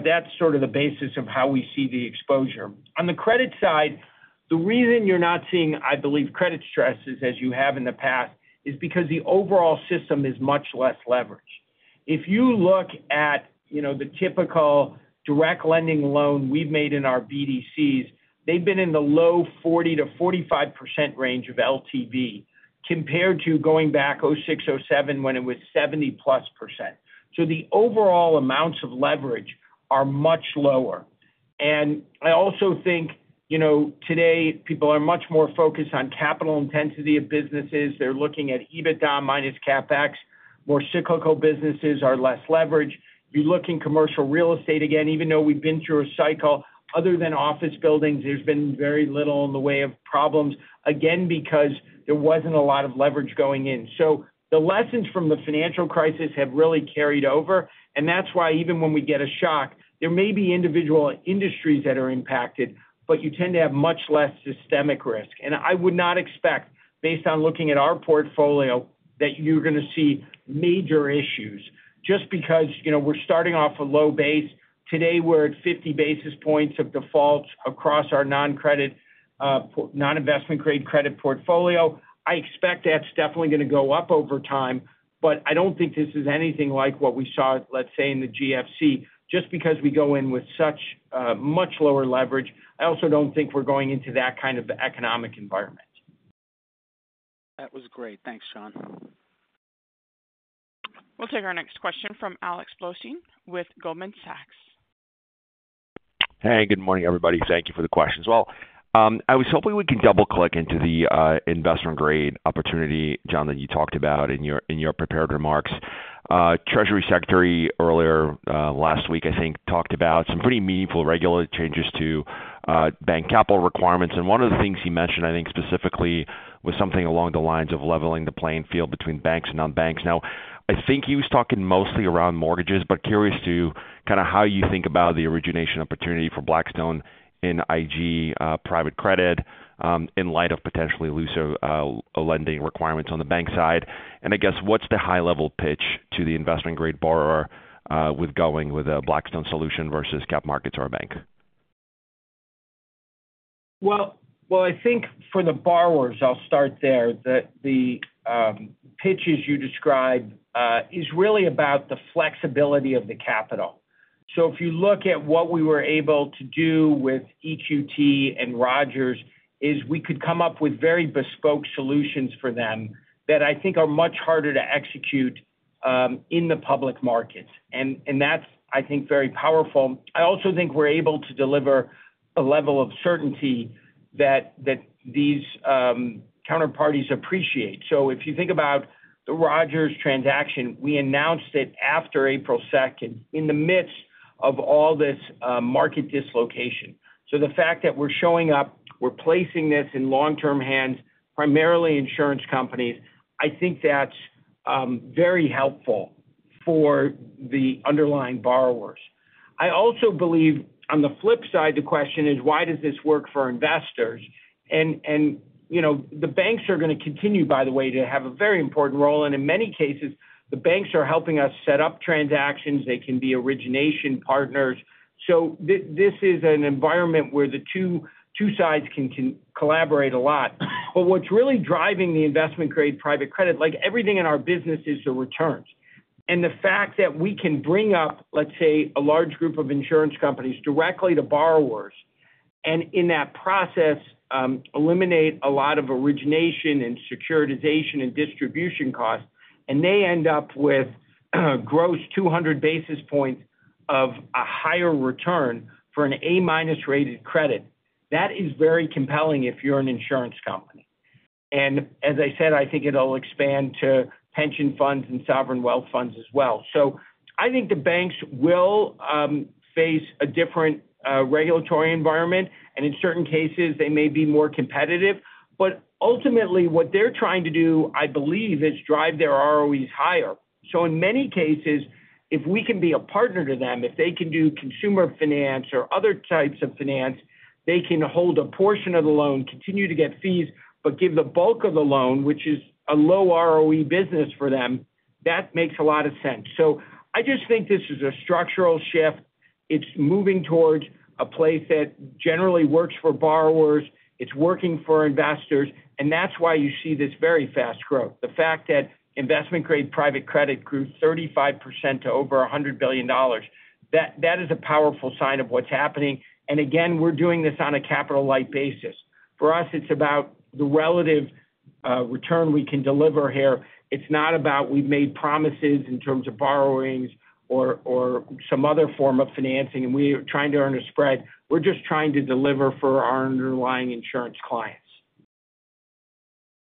D: That is sort of the basis of how we see the exposure. On the credit side, the reason you're not seeing, I believe, credit stresses as you have in the past is because the overall system is much less leveraged. If you look at the typical direct lending loan we've made in our BDCs, they've been in the low 40%-45% range of LTV compared to going back 2006, 2007 when it was 70%+ percent. The overall amounts of leverage are much lower. I also think today people are much more focused on capital intensity of businesses. They're looking at EBITDA minus CapEx. More cyclical businesses are less leveraged. You look in commercial real estate again, even though we've been through a cycle, other than office buildings, there's been very little in the way of problems, again, because there wasn't a lot of leverage going in. The lessons from the financial crisis have really carried over. That is why even when we get a shock, there may be individual industries that are impacted, but you tend to have much less systemic risk. I would not expect, based on looking at our portfolio, that you're going to see major issues just because we're starting off a low base. Today, we're at 50 basis points of default across our non-investment-grade credit portfolio. I expect that's definitely going to go up over time, but I don't think this is anything like what we saw, let's say, in the GFC, just because we go in with such much lower leverage. I also don't think we're going into that kind of economic environment.
J: That was great. Thanks, Jon.
A: We'll take our next question from Alex Blostein with Goldman Sachs.
K: Hey, good morning, everybody. Thank you for the questions. I was hoping we can double-click into the investment-grade opportunity, Jon, that you talked about in your prepared remarks. Treasury Secretary earlier last week, I think, talked about some pretty meaningful regulatory changes to bank capital requirements. One of the things he mentioned, I think, specifically was something along the lines of leveling the playing field between banks and non-banks. I think he was talking mostly around mortgages, but curious to kind of how you think about the origination opportunity for Blackstone in IG private credit in light of potentially looser lending requirements on the bank side. I guess, what's the high-level pitch to the investment-grade borrower with going with a Blackstone solution versus cap markets or a bank?
D: I think for the borrowers, I'll start there. The pitch as you described is really about the flexibility of the capital. If you look at what we were able to do with EQT and Rogers, we could come up with very bespoke solutions for them that I think are much harder to execute in the public markets. That is, I think, very powerful. I also think we're able to deliver a level of certainty that these counterparties appreciate. If you think about the Rogers transaction, we announced it after April 2nd in the midst of all this market dislocation. The fact that we're showing up, we're placing this in long-term hands, primarily insurance companies, I think that's very helpful for the underlying borrowers. I also believe, on the flip side, the question is, why does this work for investors? The banks are going to continue, by the way, to have a very important role. In many cases, the banks are helping us set up transactions. They can be origination partners. This is an environment where the two sides can collaborate a lot. What is really driving the investment-grade private credit, like everything in our business, is the returns. The fact that we can bring up, let's say, a large group of insurance companies directly to borrowers and in that process eliminate a lot of origination and securitization and distribution costs, and they end up with gross 200 basis points of a higher return for an A-rated credit, that is very compelling if you are an insurance company. As I said, I think it will expand to pension funds and sovereign wealth funds as well. I think the banks will face a different regulatory environment. In certain cases, they may be more competitive. Ultimately, what they're trying to do, I believe, is drive their ROEs higher. In many cases, if we can be a partner to them, if they can do consumer finance or other types of finance, they can hold a portion of the loan, continue to get fees, but give the bulk of the loan, which is a low ROE business for them, that makes a lot of sense. I just think this is a structural shift. It's moving towards a place that generally works for borrowers. It's working for investors. That's why you see this very fast growth. The fact that investment-grade private credit grew 35% to over $100 billion, that is a powerful sign of what's happening. Again, we're doing this on a capital-light basis. For us, it's about the relative return we can deliver here. It's not about we've made promises in terms of borrowings or some other form of financing, and we are trying to earn a spread. We're just trying to deliver for our underlying insurance clients.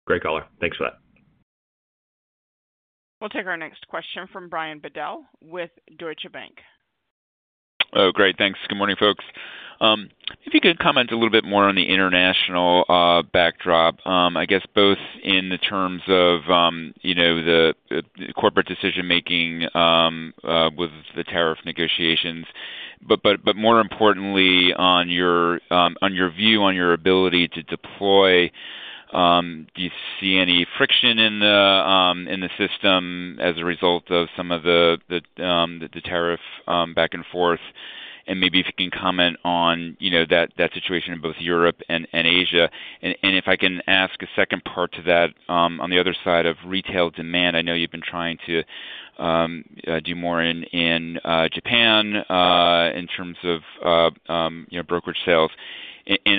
K: Great color. Thanks for that.
A: We'll take our next question from Brian Bedell with Deutsche Bank.
L: Oh, great. Thanks. Good morning, folks. If you could comment a little bit more on the international backdrop, I guess both in the terms of the corporate decision-making with the tariff negotiations, but more importantly, on your view on your ability to deploy, do you see any friction in the system as a result of some of the tariff back and forth? Maybe if you can comment on that situation in both Europe and Asia. If I can ask a second part to that on the other side of retail demand, I know you've been trying to do more in Japan in terms of brokerage sales.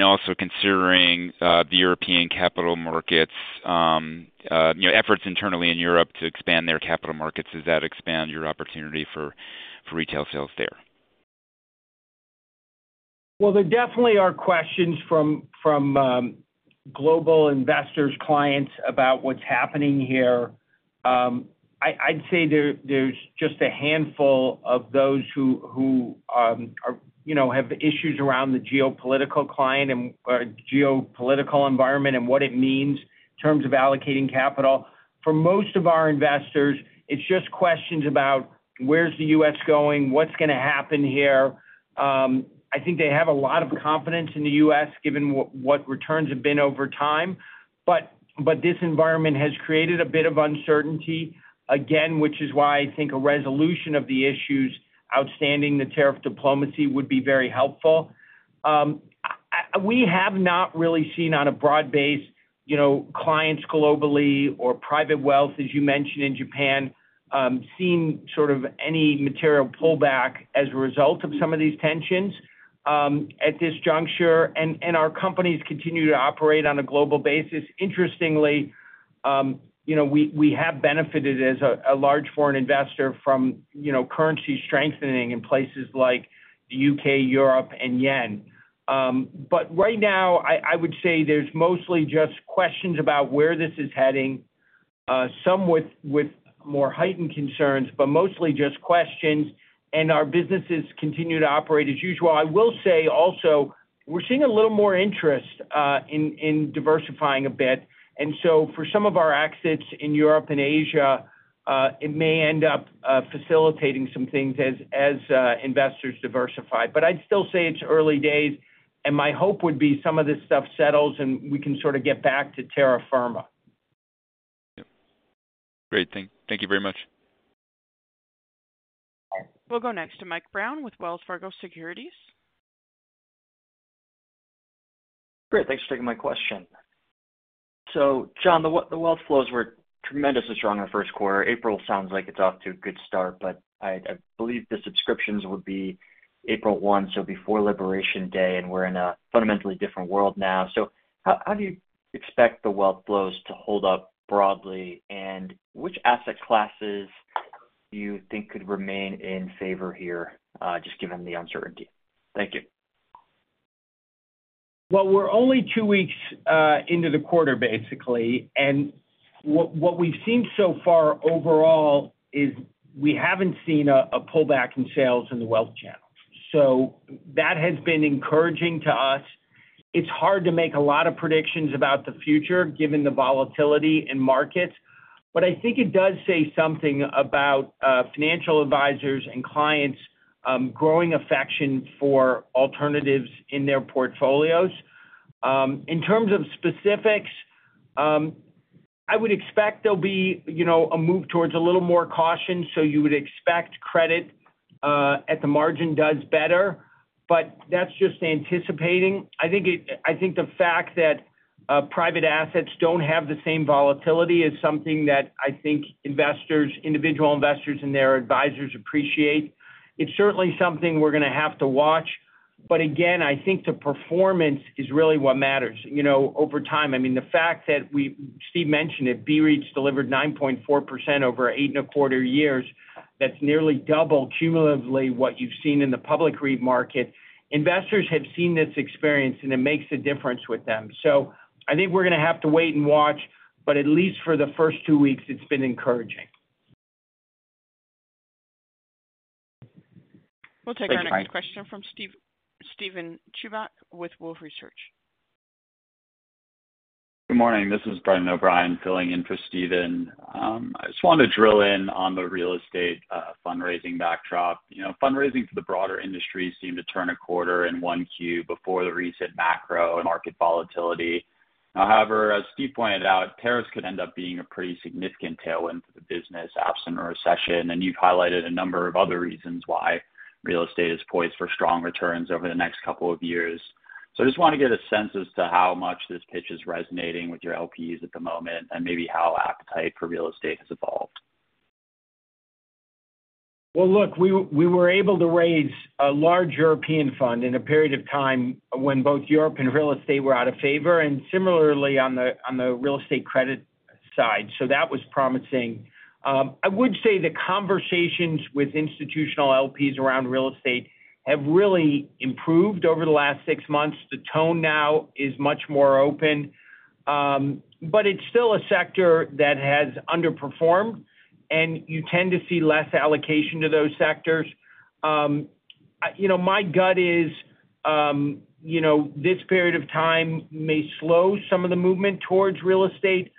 L: Also considering the European capital markets, efforts internally in Europe to expand their capital markets, does that expand your opportunity for retail sales there?
D: There definitely are questions from global investors' clients about what's happening here. I'd say there's just a handful of those who have issues around the geopolitical client and geopolitical environment and what it means in terms of allocating capital. For most of our investors, it's just questions about where's the U.S. going? What's going to happen here? I think they have a lot of confidence in the U.S. given what returns have been over time. This environment has created a bit of uncertainty, again, which is why I think a resolution of the issues outstanding, the tariff diplomacy, would be very helpful. We have not really seen on a broad base, clients globally or private wealth, as you mentioned in Japan, seen sort of any material pullback as a result of some of these tensions at this juncture. Our companies continue to operate on a global basis. Interestingly, we have benefited as a large foreign investor from currency strengthening in places like the U.K., Europe, and yen. Right now, I would say there's mostly just questions about where this is heading, some with more heightened concerns, mostly just questions. Our businesses continue to operate as usual. I will say also we're seeing a little more interest in diversifying a bit. For some of our exits in Europe and Asia, it may end up facilitating some things as investors diversify. I'd still say it's early days. My hope would be some of this stuff settles and we can sort of get back to terra firma.
L: Yep. Great. Thank you very much.
A: We'll go next to Mike Brown with Wells Fargo Securities.
M: Great. Thanks for taking my question. Jon, the wealth flows were tremendously strong in the first quarter. April sounds like it's off to a good start, but I believe the subscriptions would be April 1, before Liberation Day, and we're in a fundamentally different world now. How do you expect the wealth flows to hold up broadly? Which asset classes do you think could remain in favor here, just given the uncertainty? Thank you.
D: We're only two weeks into the quarter, basically. What we've seen so far overall is we haven't seen a pullback in sales in the wealth channel. That has been encouraging to us. It's hard to make a lot of predictions about the future given the volatility in markets. I think it does say something about financial advisors and clients' growing affection for alternatives in their portfolios. In terms of specifics, I would expect there'll be a move towards a little more caution. You would expect credit at the margin does better, but that's just anticipating. I think the fact that private assets don't have the same volatility is something that I think investors, individual investors and their advisors appreciate. It's certainly something we're going to have to watch. Again, I think the performance is really what matters over time. I mean, the fact that we, Steve mentioned it, BREIT's delivered 9.4% over eight and a quarter years. That's nearly double cumulatively what you've seen in the public REIT market. Investors have seen this experience, and it makes a difference with them. I think we're going to have to wait and watch, but at least for the first two weeks, it's been encouraging.
A: We'll take our next question from Steven Chubak with Wolfe Research.
N: Good morning. This is Brendan O'Brien filling in for Steven. I just wanted to drill in on the real estate fundraising backdrop. Fundraising for the broader industry seemed to turn a corner in Q1 before the recent macro and market volatility. However, as Steve pointed out, tariffs could end up being a pretty significant tailwind for the business absent a recession. You have highlighted a number of other reasons why real estate is poised for strong returns over the next couple of years. I just want to get a sense as to how much this pitch is resonating with your LPs at the moment and maybe how appetite for real estate has evolved.
D: We were able to raise a large European fund in a period of time when both Europe and real estate were out of favor and similarly on the real estate credit side. That was promising. I would say the conversations with institutional LPs around real estate have really improved over the last six months. The tone now is much more open, but it's still a sector that has underperformed, and you tend to see less allocation to those sectors. My gut is this period of time may slow some of the movement towards real estate,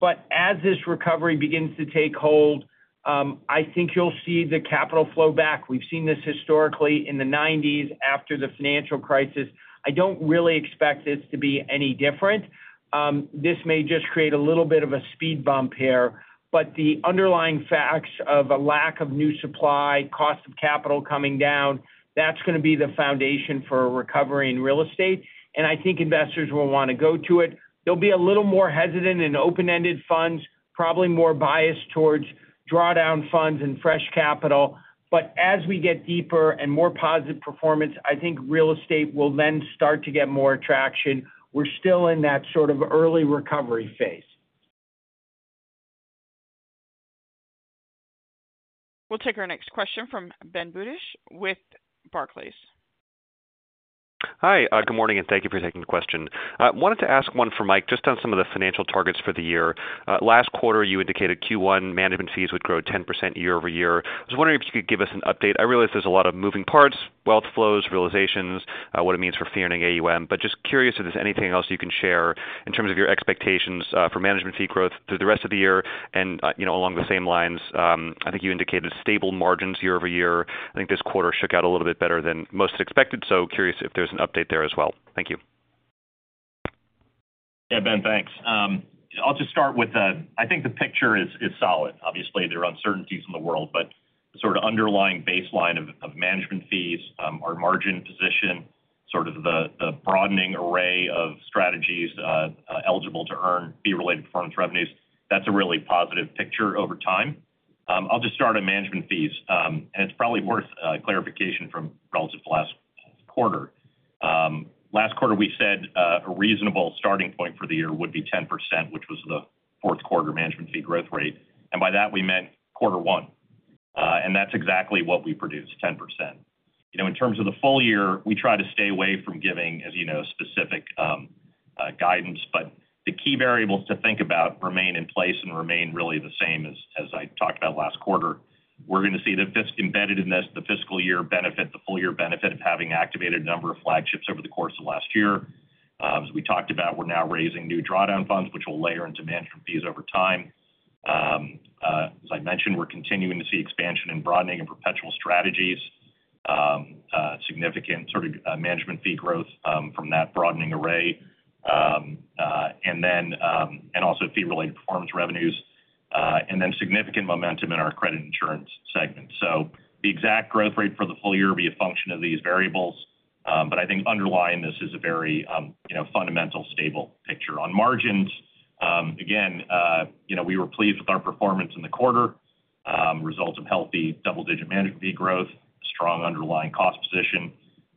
D: but as this recovery begins to take hold, I think you'll see the capital flow back. We've seen this historically in the 1990s after the financial crisis. I don't really expect this to be any different. This may just create a little bit of a speed bump here, but the underlying facts of a lack of new supply, cost of capital coming down, that's going to be the foundation for a recovery in real estate. I think investors will want to go to it. They'll be a little more hesitant in open-ended funds, probably more biased towards drawdown funds and fresh capital. As we get deeper and more positive performance, I think real estate will then start to get more traction. We're still in that sort of early recovery phase.
A: We'll take our next question from Ben Budish with Barclays.
O: Hi. Good morning and thank you for taking the question. Wanted to ask one for Mike just on some of the financial targets for the year. Last quarter, you indicated Q1 management fees would grow 10% year-over-year. I was wondering if you could give us an update. I realize there is a lot of moving parts, wealth flows, realizations, what it means for fee-earning AUM, but just curious if there is anything else you can share in terms of your expectations for management fee growth through the rest of the year. Along the same lines, I think you indicated stable margins year-over-year. I think this quarter shook out a little bit better than most had expected. Curious if there is an update there as well. Thank you.
E: Yeah, Ben, thanks. I'll just start with I think the picture is solid. Obviously, there are uncertainties in the world, but the sort of underlying baseline of management fees, our margin position, sort of the broadening array of strategies eligible to earn fee-related performance revenues, that's a really positive picture over time. I'll just start on management fees. It's probably worth clarification from relative to last quarter. Last quarter, we said a reasonable starting point for the year would be 10%, which was the fourth quarter management fee growth rate. By that, we meant quarter one. That's exactly what we produced, 10%. In terms of the full year, we try to stay away from giving, as you know, specific guidance, but the key variables to think about remain in place and remain really the same as I talked about last quarter. We're going to see the embedded in this, the fiscal year benefit, the full year benefit of having activated a number of flagships over the course of last year. As we talked about, we're now raising new drawdown funds, which will layer into management fees over time. As I mentioned, we're continuing to see expansion and broadening in perpetual strategies, significant sort of management fee growth from that broadening array, and also fee-related performance revenues, and then significant momentum in our credit insurance segment. The exact growth rate for the full year will be a function of these variables. I think underlying this is a very fundamental stable picture. On margins, again, we were pleased with our performance in the quarter, results of healthy double-digit management fee growth, strong underlying cost position.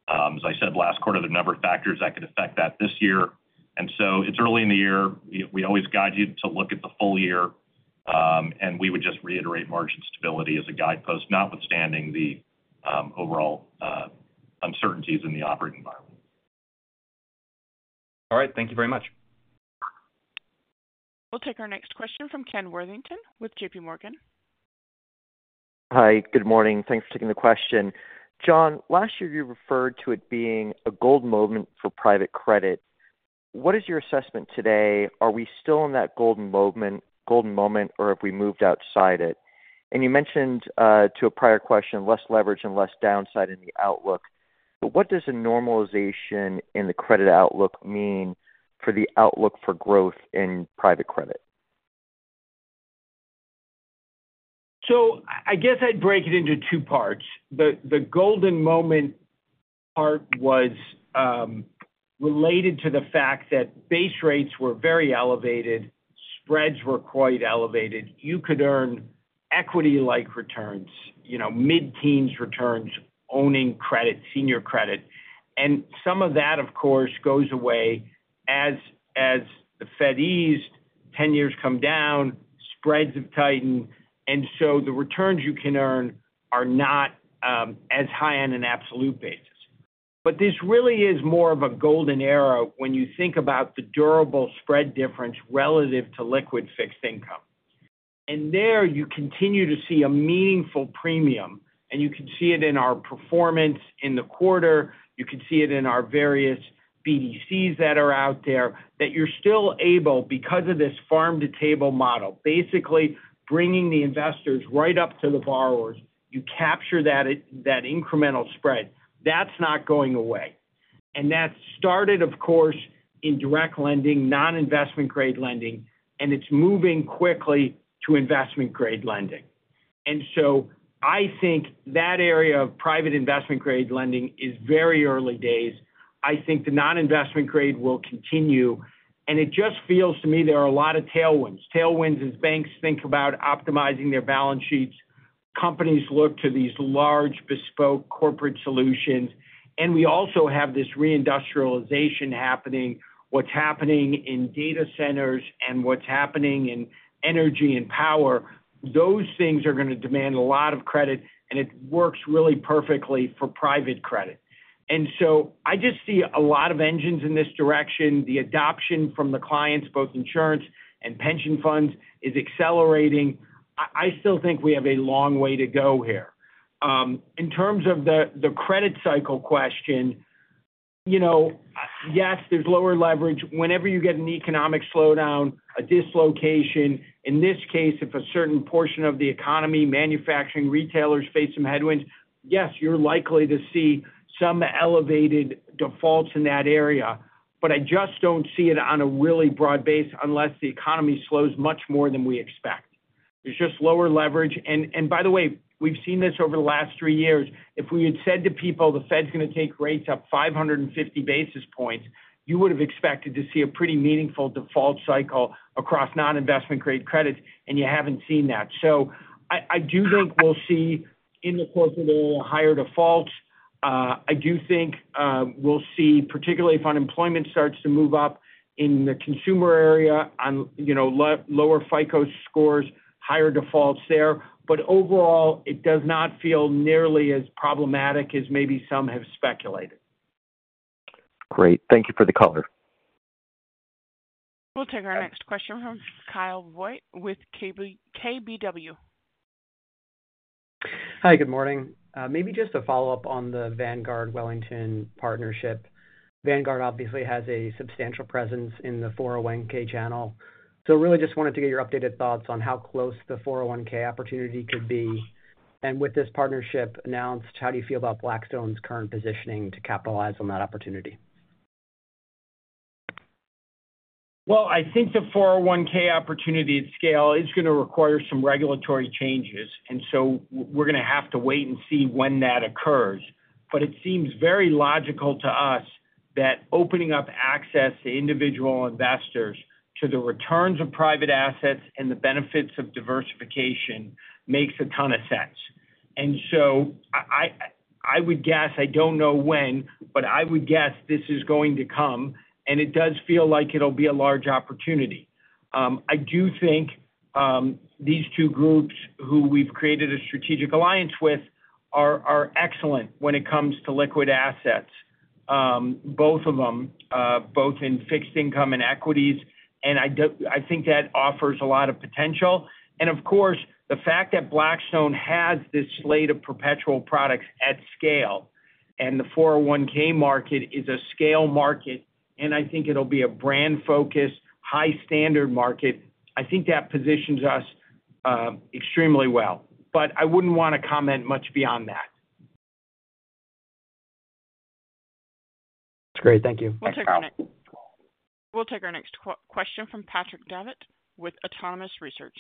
E: As I said, last quarter, there are a number of factors that could affect that this year. It is early in the year. We always guide you to look at the full year, and we would just reiterate margin stability as a guidepost, notwithstanding the overall uncertainties in the operating environment.
O: All right. Thank you very much.
A: We'll take our next question from Ken Worthington with JPMorgan.
P: Hi. Good morning. Thanks for taking the question. Jon, last year, you referred to it being a gold moment for private credit. What is your assessment today? Are we still in that golden moment, or have we moved outside it? You mentioned to a prior question, less leverage and less downside in the outlook. What does a normalization in the credit outlook mean for the outlook for growth in private credit?
D: I guess I'd break it into two parts. The golden moment part was related to the fact that base rates were very elevated, spreads were quite elevated. You could earn equity-like returns, mid-teens returns, owning credit, senior credit. Some of that, of course, goes away as the Fed eased, 10 years come down, spreads have tightened. The returns you can earn are not as high on an absolute basis. This really is more of a golden era when you think about the durable spread difference relative to liquid fixed income. There you continue to see a meaningful premium, and you can see it in our performance in the quarter. You can see it in our various BDCs that are out there that you're still able, because of this farm-to-table model, basically bringing the investors right up to the borrowers, you capture that incremental spread. That's not going away. That started, of course, in direct lending, non-investment-grade lending, and it's moving quickly to investment-grade lending. I think that area of private investment-grade lending is very early days. I think the non-investment-grade will continue. It just feels to me there are a lot of tailwinds. Tailwinds as banks think about optimizing their balance sheets. Companies look to these large bespoke corporate solutions. We also have this reindustrialization happening. What's happening in data centers and what's happening in energy and power, those things are going to demand a lot of credit, and it works really perfectly for private credit. I just see a lot of engines in this direction. The adoption from the clients, both insurance and pension funds, is accelerating. I still think we have a long way to go here. In terms of the credit cycle question, yes, there's lower leverage. Whenever you get an economic slowdown, a dislocation, in this case, if a certain portion of the economy, manufacturing, retailers face some headwinds, yes, you're likely to see some elevated defaults in that area. I just don't see it on a really broad base unless the economy slows much more than we expect. There's just lower leverage. By the way, we've seen this over the last three years. If we had said to people, "The Fed's going to take rates up 550 basis points," you would have expected to see a pretty meaningful default cycle across non-investment-grade credits, and you haven't seen that. I do think we'll see in the corporate area higher defaults. I do think we'll see, particularly if unemployment starts to move up in the consumer area, lower FICO scores, higher defaults there. Overall, it does not feel nearly as problematic as maybe some have speculated.
P: Great. Thank you for the color.
A: We'll take our next question from Kyle Voigt with KBW.
Q: Hi. Good morning. Maybe just a follow-up on the Vanguard-Wellington partnership. Vanguard obviously has a substantial presence in the 401(k) channel. Really just wanted to get your updated thoughts on how close the 401(k) opportunity could be. With this partnership announced, how do you feel about Blackstone's current positioning to capitalize on that opportunity?
D: I think the 401(k) opportunity at scale is going to require some regulatory changes. We are going to have to wait and see when that occurs. It seems very logical to us that opening up access to individual investors to the returns of private assets and the benefits of diversification makes a ton of sense. I would guess, I do not know when, but I would guess this is going to come. It does feel like it will be a large opportunity. I do think these two groups who we have created a strategic alliance with are excellent when it comes to liquid assets, both of them, both in fixed income and equities. I think that offers a lot of potential. Of course, the fact that Blackstone has this slate of perpetual products at scale and the 401(k) market is a scale market, and I think it will be a brand-focused, high-standard market, I think that positions us extremely well. I would not want to comment much beyond that.
Q: That's great. Thank you.
A: We'll take our next question from Patrick Davitt with Autonomous Research.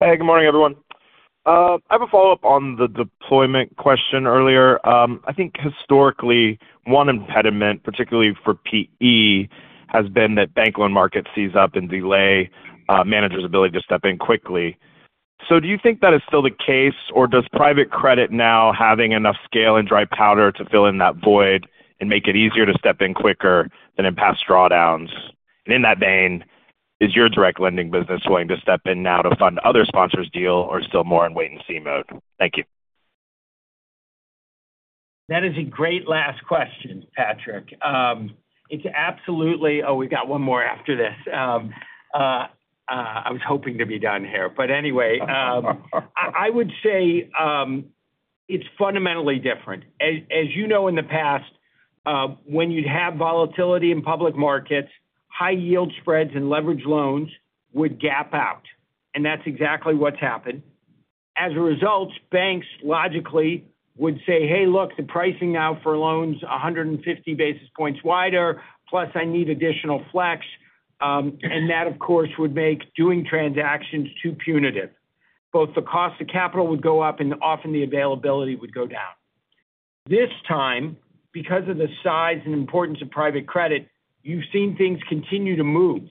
R: Hey. Good morning, everyone. I have a follow-up on the deployment question earlier. I think historically, one impediment, particularly for PE, has been that bank loan markets seize up and delay managers' ability to step in quickly. Do you think that is still the case, or does private credit now have enough scale and dry powder to fill in that void and make it easier to step in quicker than in past drawdowns? In that vein, is your direct lending business willing to step in now to fund other sponsors' deal or still more in wait-and-see mode? Thank you.
D: That is a great last question, Patrick. It's absolutely—oh, we've got one more after this. I was hoping to be done here. Anyway, I would say it's fundamentally different. As you know, in the past, when you'd have volatility in public markets, high yield spreads and leveraged loans would gap out. That is exactly what has happened. As a result, banks logically would say, "Hey, look, the pricing now for loans is 150 basis points wider, plus I need additional flex." That, of course, would make doing transactions too punitive. Both the cost of capital would go up and often the availability would go down. This time, because of the size and importance of private credit, you've seen things continue to move.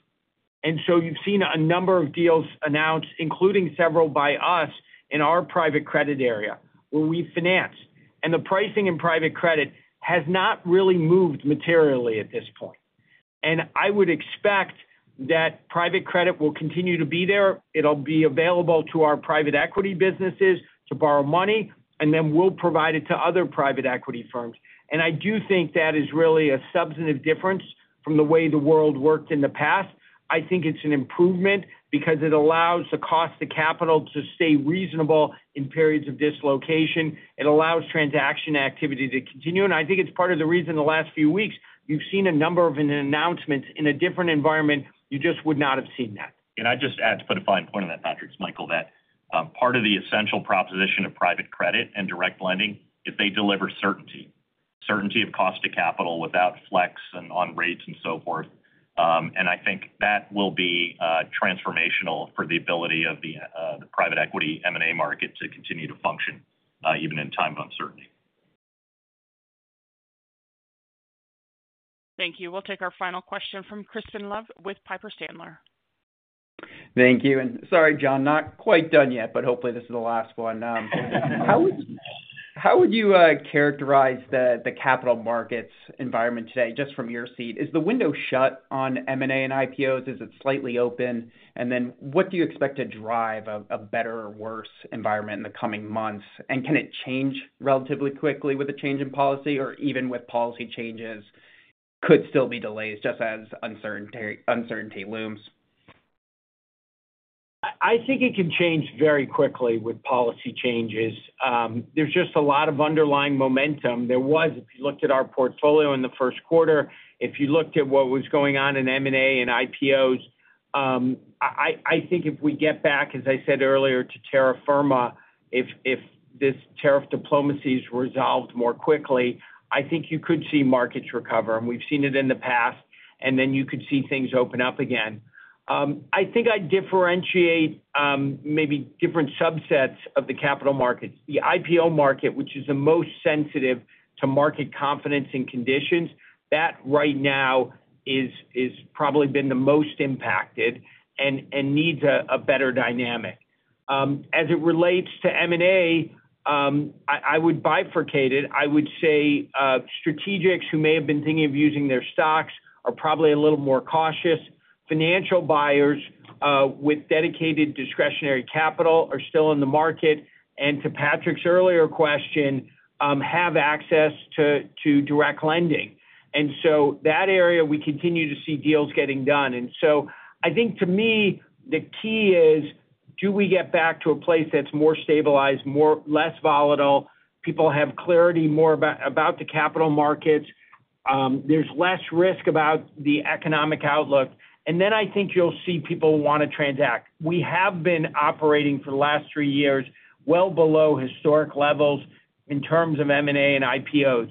D: You have seen a number of deals announced, including several by us in our private credit area where we finance. The pricing in private credit has not really moved materially at this point. I would expect that private credit will continue to be there. It will be available to our private equity businesses to borrow money, and then we will provide it to other private equity firms. I do think that is really a substantive difference from the way the world worked in the past. I think it is an improvement because it allows the cost of capital to stay reasonable in periods of dislocation. It allows transaction activity to continue. I think it is part of the reason the last few weeks you have seen a number of announcements in a different environment. You just would not have seen that.
E: I'd just add to put a fine point on that, Patrick, it's Michael, that part of the essential proposition of private credit and direct lending is they deliver certainty, certainty of cost of capital without flex and on rates and so forth. I think that will be transformational for the ability of the private equity M&A market to continue to function even in times of uncertainty.
A: Thank you. We'll take our final question from Crispin Love with Piper Sandler.
S: Thank you. Sorry, Jon, not quite done yet, but hopefully this is the last one. How would you characterize the capital markets environment today just from your seat? Is the window shut on M&A and IPOs? Is it slightly open? What do you expect to drive a better or worse environment in the coming months? Can it change relatively quickly with a change in policy or even with policy changes? Could still be delays just as uncertainty looms.
D: I think it can change very quickly with policy changes. There is just a lot of underlying momentum. There was, if you looked at our portfolio in the first quarter, if you looked at what was going on in M&A and IPOs, I think if we get back, as I said earlier, to terra firma, if this tariff diplomacy is resolved more quickly, I think you could see markets recover. We have seen it in the past. You could see things open up again. I think I would differentiate maybe different subsets of the capital markets. The IPO market, which is the most sensitive to market confidence and conditions, that right now has probably been the most impacted and needs a better dynamic. As it relates to M&A, I would bifurcate it. I would say strategics who may have been thinking of using their stocks are probably a little more cautious. Financial buyers with dedicated discretionary capital are still in the market. To Patrick's earlier question, they have access to direct lending. That area, we continue to see deals getting done. I think to me, the key is, do we get back to a place that's more stabilized, less volatile, people have clarity more about the capital markets, there's less risk about the economic outlook. I think you'll see people want to transact. We have been operating for the last three years well below historic levels in terms of M&A and IPOs.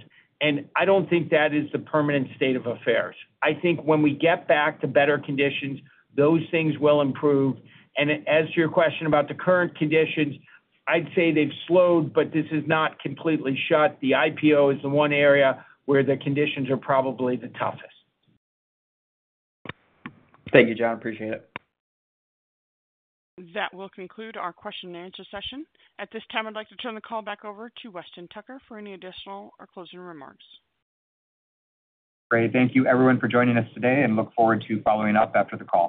D: I don't think that is the permanent state of affairs. I think when we get back to better conditions, those things will improve. As to your question about the current conditions, I'd say they've slowed, but this is not completely shut. The IPO is the one area where the conditions are probably the toughest.
S: Thank you, Jon. Appreciate it.
A: That will conclude our question-and-answer session. At this time, I'd like to turn the call back over to Weston Tucker for any additional or closing remarks.
B: Great. Thank you, everyone, for joining us today, and look forward to following up after the call.